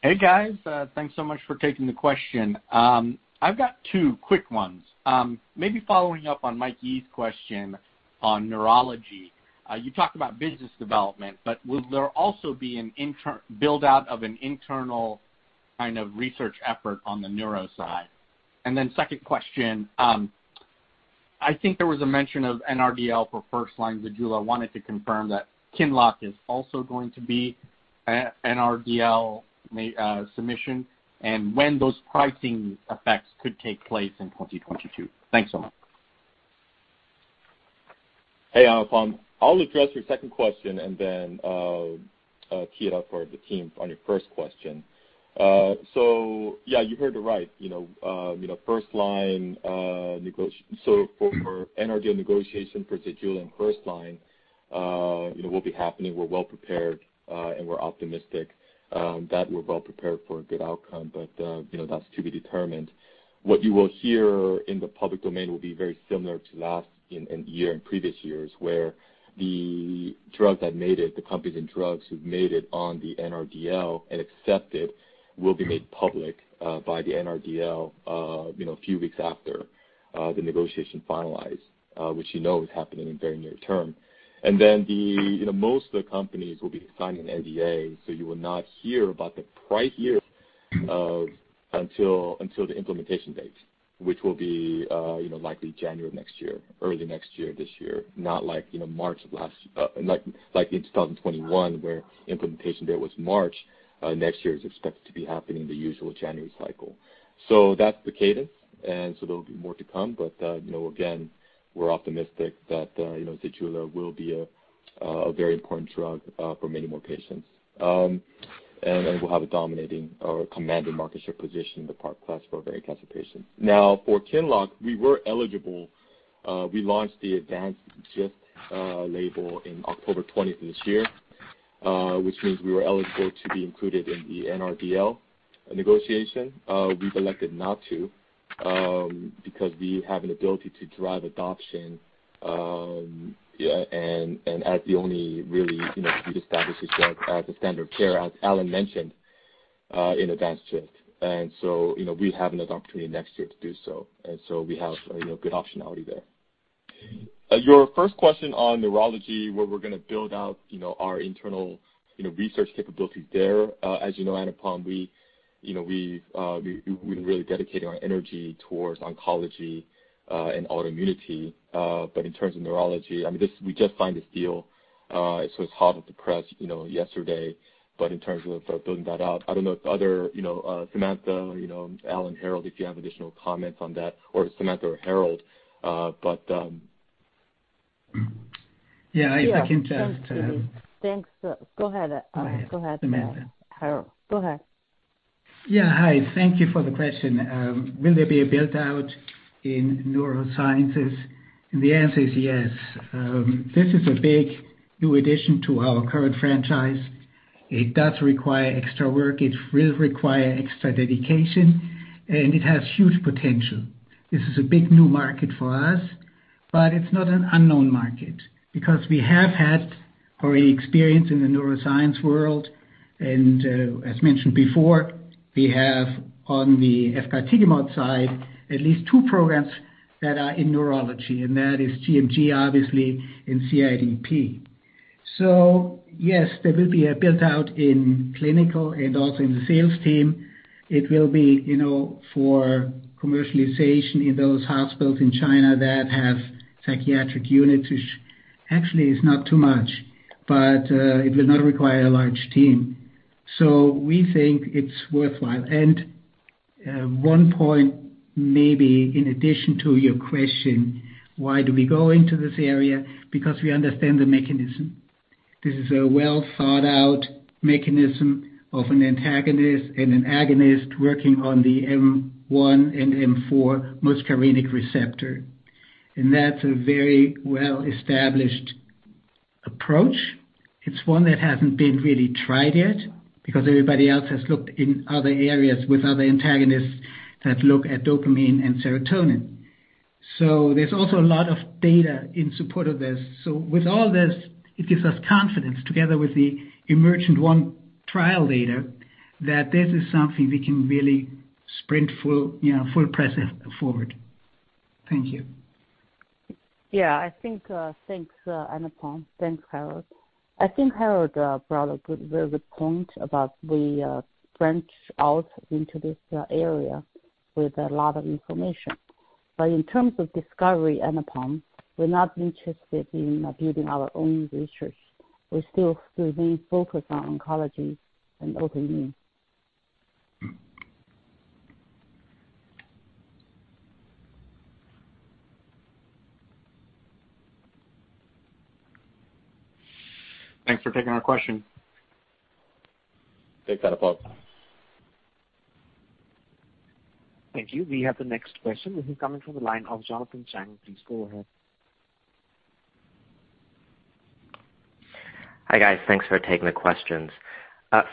S10: Hey, guys. Thanks so much for taking the question. I've got two quick ones. Maybe following up on Mike Yee's question on neurology. You talked about business development, but will there also be a build-out of an internal kind of research effort on the neuro side? And then second question, I think there was a mention of NRDL for first-line ZEJULA. Wanted to confirm that QINLOCK is also going to be a NRDL submission and when those pricing effects could take place in 2022? Thanks so much.
S2: Hey, Anupam. I'll address your second question and then, tee it up for the team on your first question. Yeah, you heard it right. You know, first line, for NRDL negotiation for ZEJULA and first line, you know, will be happening. We're well prepared, and we're optimistic, that we're well prepared for a good outcome. You know, that's to be determined. What you will hear in the public domain will be very similar to last year and previous years, where the drugs that made it, the companies and drugs who've made it on the NRDL and accepted will be made public, by the NRDL, you know, a few weeks after, the negotiation finalized, which you know is happening in very near term. The, you know, most of the companies will be signing NDA, so you will not hear about the price thereof until the implementation date, which will be, you know, likely January of next year, early next year, this year, not like, you know, March last, like in 2021, where implementation date was March. Next year is expected to be happening the usual January cycle. That's the cadence, and so there'll be more to come. You know, again, we're optimistic that, you know, ZEJULA will be a very important drug for many more patients. And we'll have a dominating or commanding market share position in the PARP class for ovarian cancer patients. Now, for QINLOCK, we were eligible. We launched the advanced GIST label in October 20 this year, which means we were eligible to be included in the NRDL negotiation. We've elected not to because we have an ability to drive adoption, and as the only really, you know, we've established this drug as a standard of care, as Alan mentioned, in advanced GIST. You know, we have another opportunity next year to do so. You know, we have good optionality there. Your first question on neurology, where we're gonna build out, you know, our internal research capabilities there. As you know, Anupam, you know, we really dedicated our energy towards oncology and autoimmunity. In terms of neurology, I mean, this, we just signed this deal, so it's hot off the press, you know, yesterday. In terms of building that out, I don't know if other, you know, Samantha, you know, Alan, Harald, if you have additional comments on that, or Samantha or Harald.
S6: Yeah, if I can just,
S3: Yeah. Thanks. Go ahead, Harald.
S6: Samantha.
S3: Go ahead.
S6: Yeah. Hi. Thank you for the question. Will there be a build-out in neurosciences? The answer is yes. This is a big new addition to our current franchise. It does require extra work, it will require extra dedication, and it has huge potential. This is a big new market for us, but it's not an unknown market because we have had already experience in the neuroscience world, and as mentioned before, we have, on the efgartigimod side, at least two programs that are in neurology, and that is gMG, obviously, and CIDP. Yes, there will be a build-out in clinical and also in the sales team. It will be, you know, for commercialization in those hospitals in China that have psychiatric units, which actually is not too much, but it will not require a large team. We think it's worthwhile. One point maybe in addition to your question, why do we go into this area? Because we understand the mechanism. This is a well-thought-out mechanism of an antagonist and an agonist working on the M1 and M4 muscarinic receptor. That's a very well-established approach. It's one that hasn't been really tried yet because everybody else has looked in other areas with other antagonists that look at dopamine and serotonin. There's also a lot of data in support of this. With all this, it gives us confidence together with the EMERGENT-1 trial data that this is something we can really sprint full, you know, full press forward. Thank you.
S3: Yeah. I think, thanks, Anupam. Thanks, Harald. I think Harald brought a good, very good point about we branch out into this area with a lot of information. But in terms of discovery, Anupam, we're not interested in building our own research. We still remain focused on oncology and autoimmune.
S10: Thanks for taking our question.
S2: Take care, Anupam.
S1: Thank you. We have the next question. This is coming from the line of Jonathan Chang. Please go ahead.
S11: Hi, guys. Thanks for taking the questions.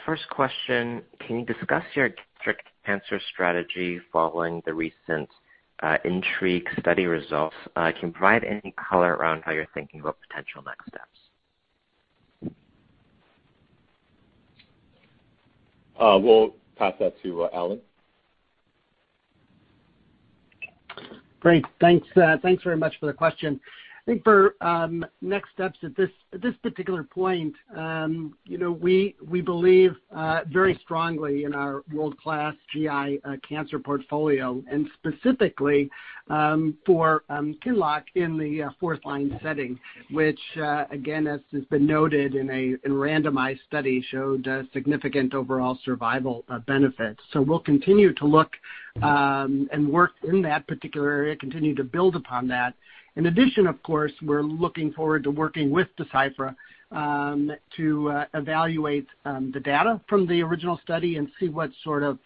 S11: First question, can you discuss your gastric cancer strategy following the recent INTRIGUE study results? Can you provide any color around how you're thinking about potential next steps?
S2: We'll pass that to Alan.
S5: Great. Thanks. Thanks very much for the question. I think for next steps at this particular point, you know, we believe very strongly in our world-class GI cancer portfolio, and specifically for QINLOCK in the fourth line setting, which again, as has been noted in a randomized study, showed a significant overall survival benefit. We'll continue to look and work in that particular area, continue to build upon that. In addition, of course, we're looking forward to working with Deciphera to evaluate the data from the original study and see what sort of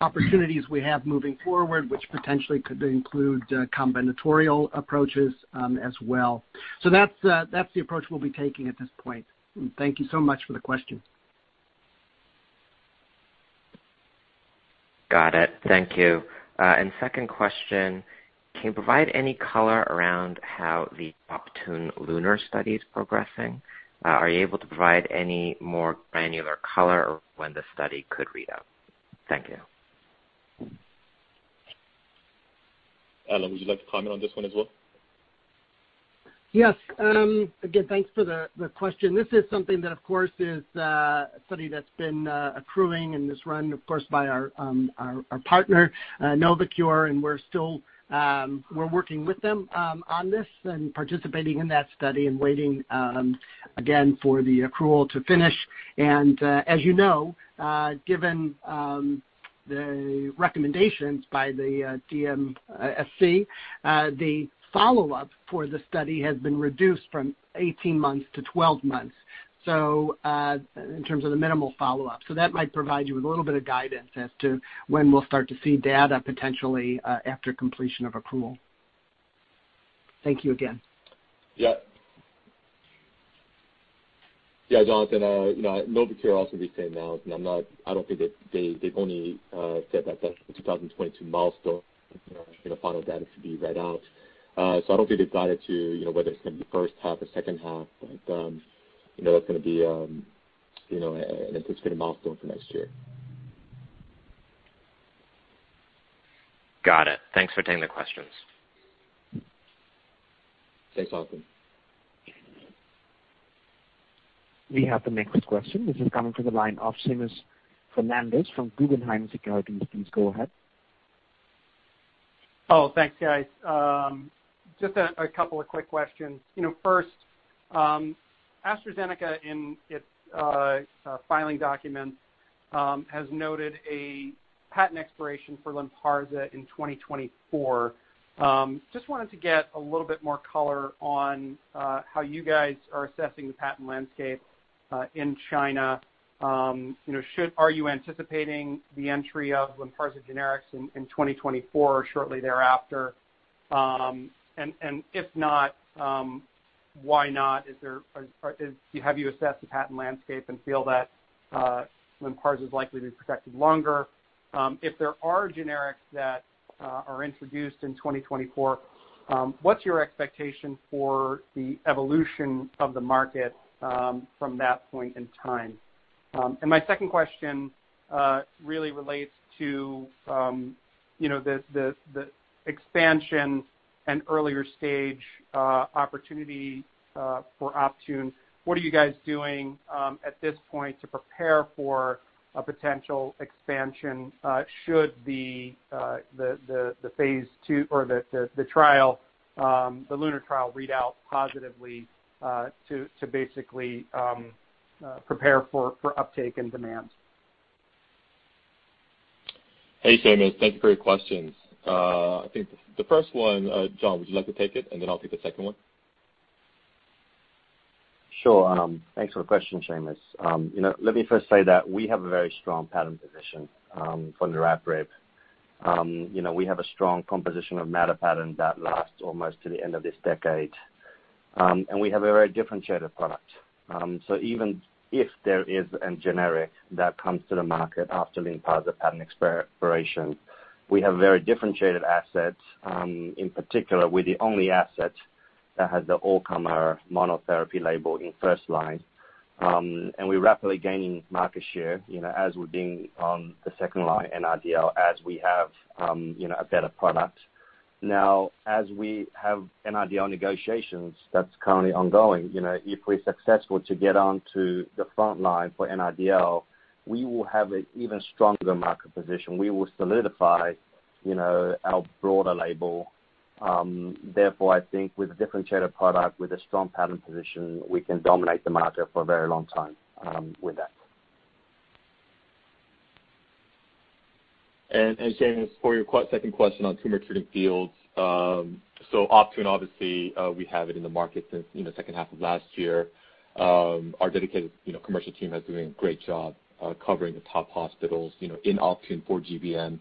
S5: opportunities we have moving forward, which potentially could include combinatorial approaches as well. That's the approach we'll be taking at this point. Thank you so much for the question.
S11: Got it. Thank you. Second question, can you provide any color around how the Optune LUNAR study is progressing? Are you able to provide any more granular color or when the study could read out? Thank you.
S2: Alan, would you like to comment on this one as well?
S5: Yes. Again, thanks for the question. This is something that, of course, is a study that's been accruing and is run, of course, by our partner, Novocure, and we're still working with them on this and participating in that study and waiting again for the accrual to finish. As you know, given the recommendations by the DMC, the follow-up for the study has been reduced from 18 months to 12 months in terms of the minimal follow-up. That might provide you with a little bit of guidance as to when we'll start to see data potentially after completion of accrual. Thank you again.
S2: Yeah. Yeah, Jonathan, you know, Novocure also been saying now, I don't think that they've only said that that's the 2022 milestone, you know, final data to be read out. So I don't think they've guided to, you know, whether it's gonna be first half or second half, but you know, it's gonna be an anticipated milestone for next year.
S11: Got it. Thanks for taking the questions.
S2: Thanks, Jonathan.
S1: We have the next question. This is coming from the line of Seamus Fernandez from Guggenheim Securities. Please go ahead.
S12: Oh, thanks, guys. Just a couple of quick questions. You know, first, AstraZeneca in its filing documents has noted a patent expiration for Lynparza in 2024. Just wanted to get a little bit more color on how you guys are assessing the patent landscape in China. You know, are you anticipating the entry of Lynparza generics in 2024 or shortly thereafter? And if not, why not? Have you assessed the patent landscape and feel that Lynparza is likely to be protected longer? If there are generics that are introduced in 2024, what's your expectation for the evolution of the market from that point in time? My second question really relates to, you know, the expansion and earlier stage opportunity for Optune. What are you guys doing at this point to prepare for a potential expansion, should the phase II or the trial, the LUNAR trial read out positively, to basically prepare for uptake and demand?
S2: Hey, Seamus. Thank you for your questions. I think the first one, Jon, would you like to take it, and then I'll take the second one?
S4: Sure. Thanks for the question, Seamus. You know, let me first say that we have a very strong patent position for niraparib. You know, we have a strong composition of matter patent that lasts almost to the end of this decade. And we have a very differentiated product. So even if there is a generic that comes to the market after Lynparza patent expiration, we have very differentiated assets. In particular, we're the only asset that has the all-comer monotherapy label in first line. And we're rapidly gaining market share, you know, as we're being on the second-line NRDL as we have, you know, a better product. Now, as we have NRDL negotiations that's currently ongoing, you know, if we're successful to get onto the first line for NRDL, we will have a even stronger market position. We will solidify, you know, our broader label. Therefore, I think with a differentiated product, with a strong patent position, we can dominate the market for a very long time, with that.
S2: Seamus, for your second question on Tumor Treating Fields. Optune obviously, we have it in the market since, you know, second half of last year. Our dedicated, you know, commercial team has doing a great job, covering the top hospitals, you know, in Optune for GBM.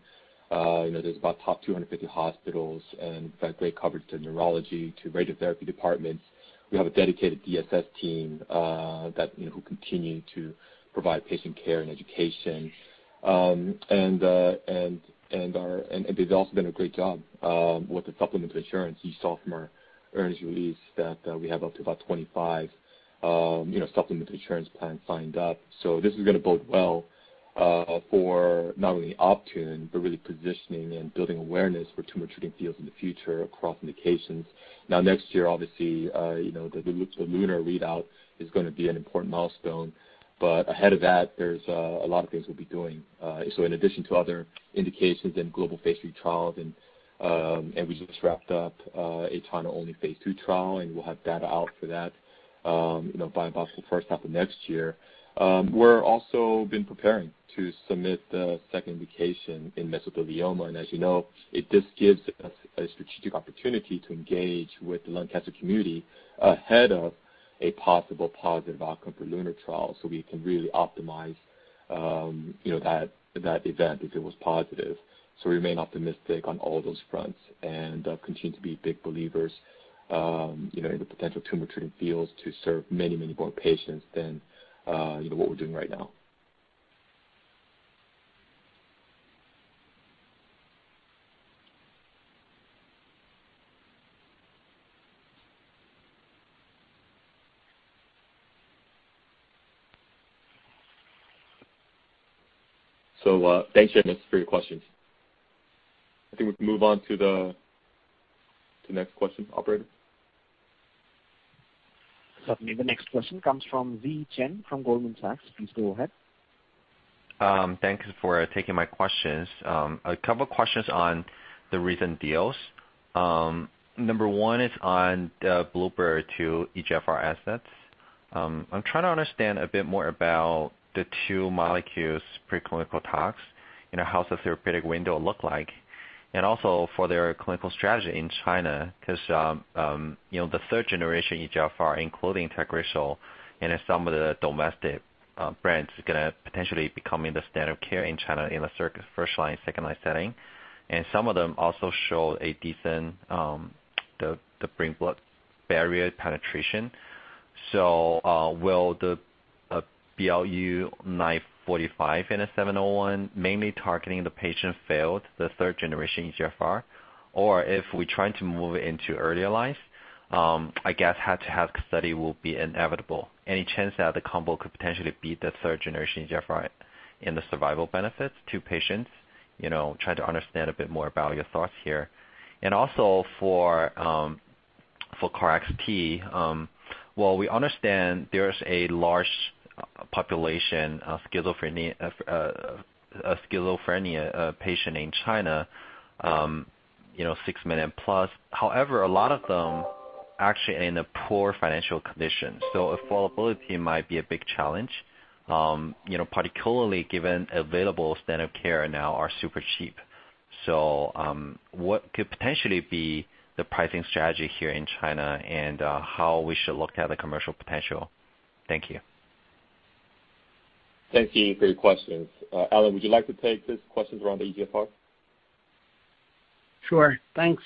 S2: You know, there's about top 250 hospitals and, in fact, great coverage to neurology, to radiotherapy departments. We have a dedicated DSS team, that, you know, who continue to provide patient care and education. They've also done a great job, with the supplemental insurance. You saw from our earnings release that, we have up to about 25, you know, supplemental insurance plans signed up. This is gonna bode well for not only Optune, but really positioning and building awareness for Tumor Treating Fields in the future across indications. Now, next year, obviously, you know, the LUNAR readout is gonna be an important milestone. But ahead of that, there's a lot of things we'll be doing. In addition to other indications in global phase III trials and we just wrapped up a China-only phase II trial, and we'll have data out for that, you know, by possible first half of next year. We're also been preparing to submit the second indication in mesothelioma. As you know, it just gives us a strategic opportunity to engage with the lung cancer community ahead of a possible positive outcome for LUNAR trial, so we can really optimize, you know, that event if it was positive. We remain optimistic on all those fronts and continue to be big believers, you know, in the potential Tumor Treating Fields to serve many, many more patients than, you know, what we're doing right now. Thanks again for your questions. I think we can move on to the next question. Operator?
S1: Certainly. The next question comes from Ziyi Chen from Goldman Sachs. Please go ahead.
S13: Thanks for taking my questions. A couple of questions on the recent deals. Number one is on the Blueprint Medicines' EGFR assets. I'm trying to understand a bit more about the two molecules' preclinical data, you know, how's the therapeutic window look like? And also for their clinical strategy in China, 'cause, you know, the third-generation EGFR, including Tagrisso, and some of the domestic brands gonna potentially becoming the standard care in China in the first-line, second-line setting. And some of them also show a decent the blood-brain barrier penetration. So, will the BLU-945 and BLU-701 mainly targeting the patients who failed the third-generation EGFR? Or if we try to move into earlier lines, I guess head-to-head study will be inevitable. Any chance that the combo could potentially beat the third generation EGFR in the survival benefits to patients? You know, trying to understand a bit more about your thoughts here. Also for KarXT, while we understand there's a large population of schizophrenia patients in China, you know, six million plus. However, a lot of them actually are in a poor financial condition. Affordability might be a big challenge, you know, particularly given available standard care now are super cheap. What could potentially be the pricing strategy here in China and how we should look at the commercial potential? Thank you.
S2: Thank you for your questions. Alan, would you like to take these questions around the EGFR?
S5: Sure. Thanks,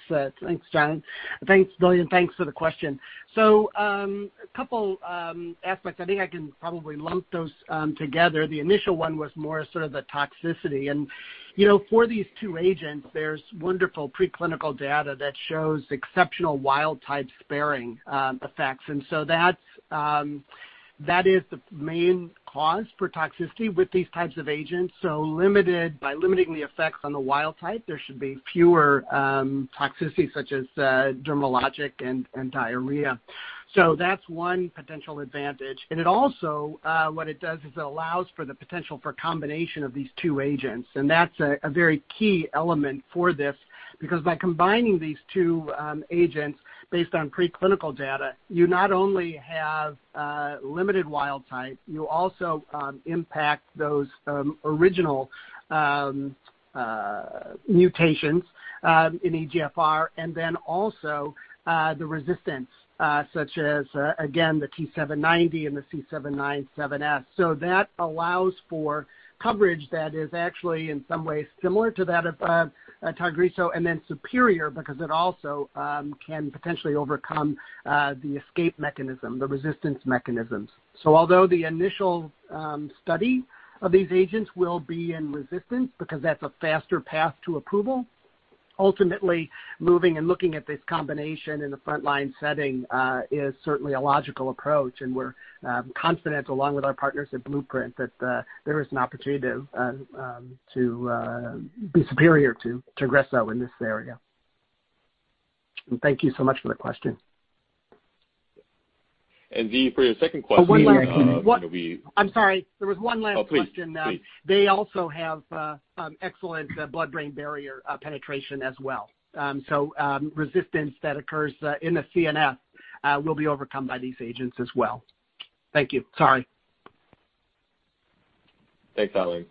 S5: Chen. Thanks, Billy, and thanks for the question. A couple aspects, I think I can probably lump those together. The initial one was more sort of the toxicity. You know, for these two agents, there's wonderful preclinical data that shows exceptional wild type sparing effects. That is the main cause for toxicity with these types of agents. By limiting the effects on the wild type, there should be fewer toxicity such as dermatologic and diarrhea. That's one potential advantage. It also, what it does is it allows for the potential for combination of these two agents. That's a very key element for this because by combining these two agents based on preclinical data, you not only have limited wild type, you also impact those original mutations in EGFR, and then also the resistance such as again the T790M and the C797S. That allows for coverage that is actually in some ways similar to that of Tagrisso and then superior because it also can potentially overcome the escape mechanism, the resistance mechanisms. Although the initial study of these agents will be in resistance because that's a faster path to approval, ultimately, moving and looking at this combination in a frontline setting is certainly a logical approach, and we're confident along with our partners at Blueprint that there is an opportunity to be superior to Tagrisso in this area. Thank you so much for the question.
S2: Ziyi, for your second question.
S5: Oh, one last thing.
S2: You know...
S5: I'm sorry. There was one last question.
S2: Oh, please. Please.
S5: They also have excellent blood-brain barrier penetration as well. Resistance that occurs in the CNS will be overcome by these agents as well. Thank you. Sorry.
S2: Thanks, Alan.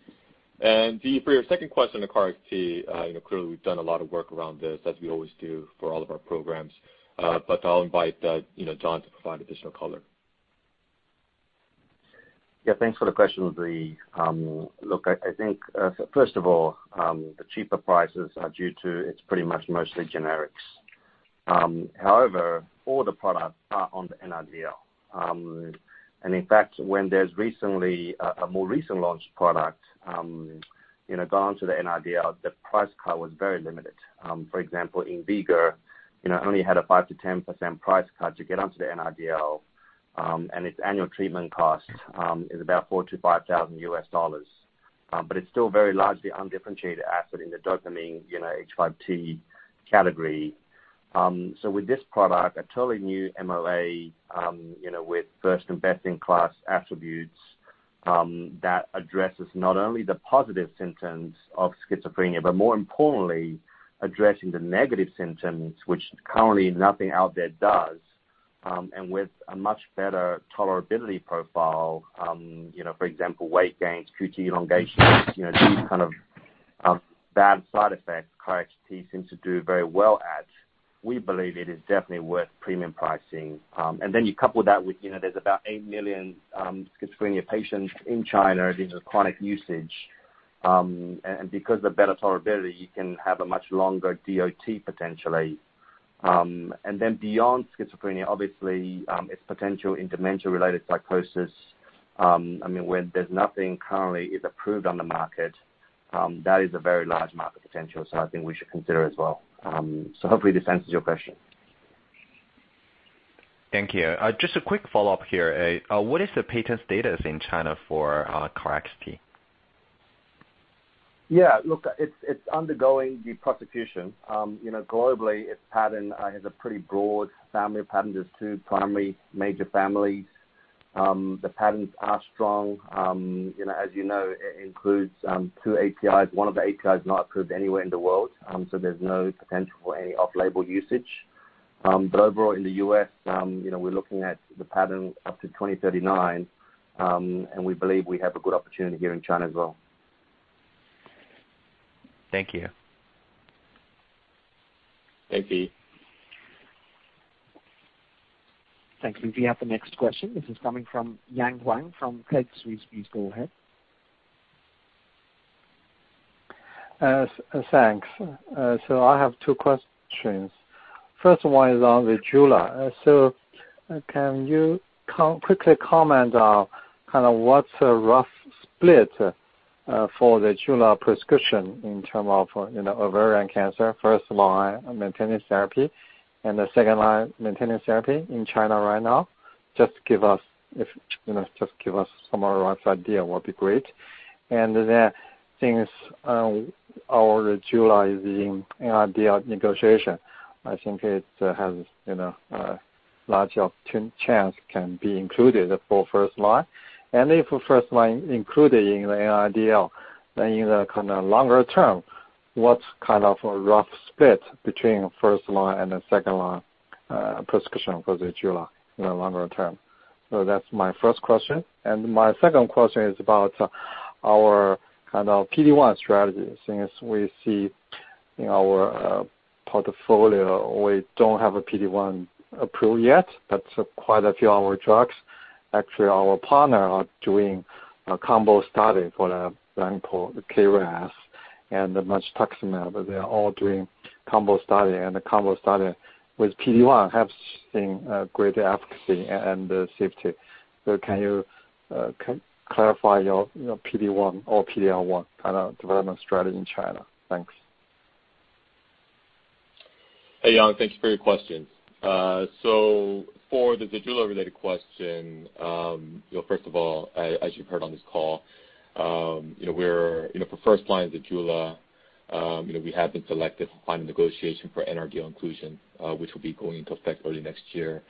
S2: Ziyi, for your second question on KarXT, you know, clearly we've done a lot of work around this as we always do for all of our programs. I'll invite, you know, Jonathan to provide additional color.
S4: Yeah, thanks for the question, Ziyi. Look, I think, first of all, the cheaper prices are due to it's pretty much mostly generics. However, all the products are on the NRDL. In fact, when there's recently a more recent launched product, you know, gone to the NRDL, the price cut was very limited. For example, in Invega, you know, only had a 5%-10% price cut to get onto the NRDL, and its annual treatment cost is about $4,000-$5,000. But it's still very largely undifferentiated asset in the dopamine, you know, 5-HT category. With this product, a totally new MOA, you know, with first-in-best-in-class attributes, that addresses not only the positive symptoms of schizophrenia, but more importantly, addressing the negative symptoms which currently nothing out there does, and with a much better tolerability profile, you know, for example, weight gain, QT prolongation, you know, these kind of bad side effects KarXT seems to do very well at, we believe it is definitely worth premium pricing. You couple that with, you know, there's about eight million schizophrenia patients in China, these are chronic usage. Because the better tolerability, you can have a much longer DOT potentially. Beyond schizophrenia, obviously, its potential in dementia-related psychosis, I mean, when there's nothing currently is approved on the market, that is a very large market potential, so I think we should consider as well. Hopefully this answers your question.
S13: Thank you. Just a quick follow-up here. What is the patent status in China for KarXT?
S4: Yeah. Look, it's undergoing the prosecution. Globally, its patent has a pretty broad family of patents. There's two primary major families. The patents are strong. You know, as you know, it includes two APIs. One of the APIs is not approved anywhere in the world, so there's no potential for any off-label usage. Overall in the U.S., you know, we're looking at the patent up to 2039, and we believe we have a good opportunity here in China as well.
S13: Thank you.
S2: Thank you.
S1: Thanks. We have the next question. This is coming from Yang Wang from Credit Suisse. Please go ahead.
S14: Thanks. I have two questions. First one is on the ZEJULA. Can you quickly comment on kind of what's a rough split for the ZEJULA prescription in terms of, you know, ovarian cancer, first line maintenance therapy and the second line maintenance therapy in China right now? Just give us, if you know, just give us some rough idea. That will be great. Then since our ZEJULA is in NRDL negotiation, I think it has, you know, a large chance to be included for first line. If first line included in the NRDL, then in the kind of longer term, what kind of a rough split between first line and the second line prescription for the ZEJULA in the longer term? That's my first question. My second question is about our kind of PD-1 strategy. Since we see in our portfolio, we don't have a PD-1 approved yet, but quite a few of our drugs. Actually, our partners are doing a combo study for the drug called adagrasib and cetuximab, but they are all doing combo study, and the combo study with PD-1 have seen great efficacy and safety. Can you clarify your PD-1 or PD-L1 kind of development strategy in China? Thanks.
S2: Hey, Yang. Thank you for your questions. For the ZEJULA-related question, you know, first of all, as you've heard on this call, you know, for first line ZEJULA, you know, we have been selected for final negotiation for NRDL inclusion, which will be going into effect early next year.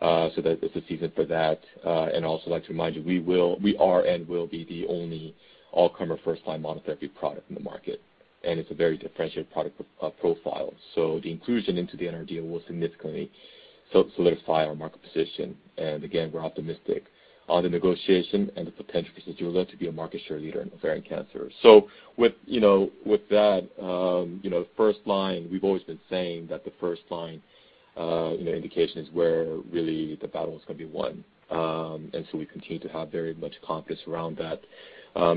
S2: That is the reason for that. Also like to remind you, we are and will be the only all-comer first line monotherapy product in the market, and it's a very differentiated product profile. The inclusion into the NRDL will significantly solidify our market position. Again, we're optimistic on the negotiation and the potential for ZEJULA to be a market share leader in ovarian cancer. With that, you know, first line, we've always been saying that the first line, you know, indication is where really the battle is gonna be won. We continue to have very much confidence around that.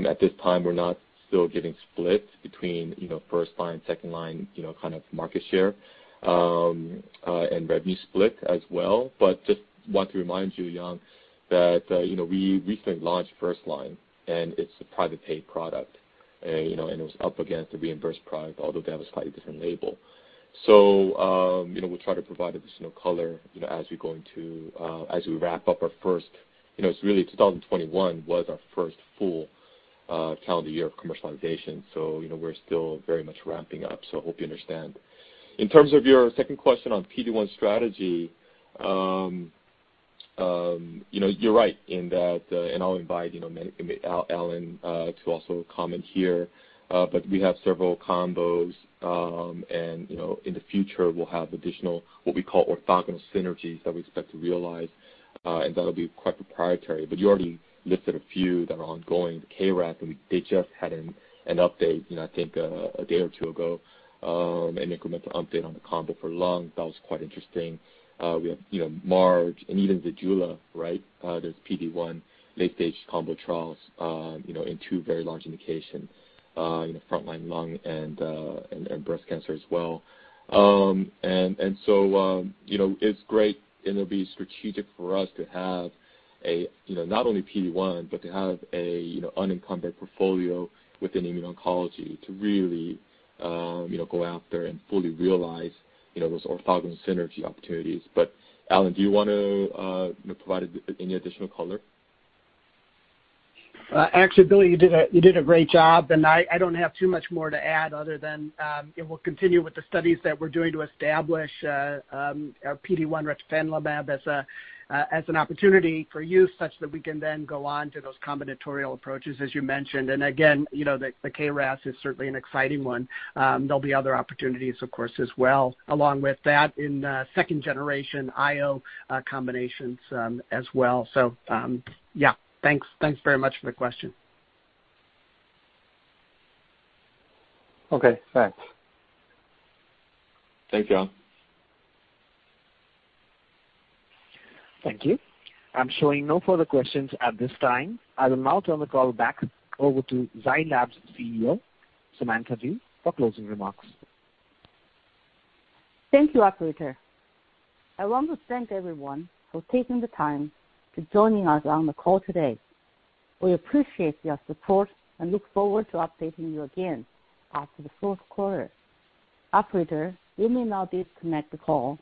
S2: At this time, we're not still giving splits between, you know, first line, second line, you know, kind of market share, and revenue split as well. Just want to remind you, Yang, that, you know, we recently launched first line and it's a private pay product, you know, and it was up against the reimbursed product, although they have a slightly different label. You know, we'll try to provide additional color, you know, as we go into, as we wrap up our first, you know, it's really 2021 was our first full calendar year of commercialization. You know, we're still very much ramping up. I hope you understand. In terms of your second question on PD-1 strategy, you know, you're right in that, and I'll invite, you know, Alan to also comment here, but we have several combos, and, you know, in the future we'll have additional, what we call orthogonal synergies that we expect to realize, and that'll be quite proprietary. But you already listed a few that are ongoing. The KRAS, they just had an update, you know, I think a day or two ago, an incremental update on the combo for lung. That was quite interesting. We have, you know, MARGENZA and even ZEJULA, right? There's PD-1 late-stage combo trials, you know, in two very large indications, you know, frontline lung and breast cancer as well. It's great and it'll be strategic for us to have, you know, not only PD-1, but to have a, you know, unencumbered portfolio within immuno-oncology to really, you know, go after and fully realize, you know, those orthogonal synergy opportunities. But Alan, do you want to, you know, provide any additional color?
S5: Actually, Billy, you did a great job, and I don't have too much more to add other than we'll continue with the studies that we're doing to establish our PD-1 retifanlimab as an opportunity for use such that we can then go on to those combinatorial approaches, as you mentioned. Again, you know, the KRAS is certainly an exciting one. There'll be other opportunities of course as well, along with that in second generation IO combinations, as well. Yeah. Thanks very much for the question.
S14: Okay. Thanks.
S2: Thanks, Yang.
S1: Thank you. I'm showing no further questions at this time. I will now turn the call back over to Zai Lab's CEO, Samantha Du, for closing remarks.
S3: Thank you, operator. I want to thank everyone for taking the time to join us on the call today. We appreciate your support and look forward to updating you again after the fourth quarter. Operator, you may now disconnect the call.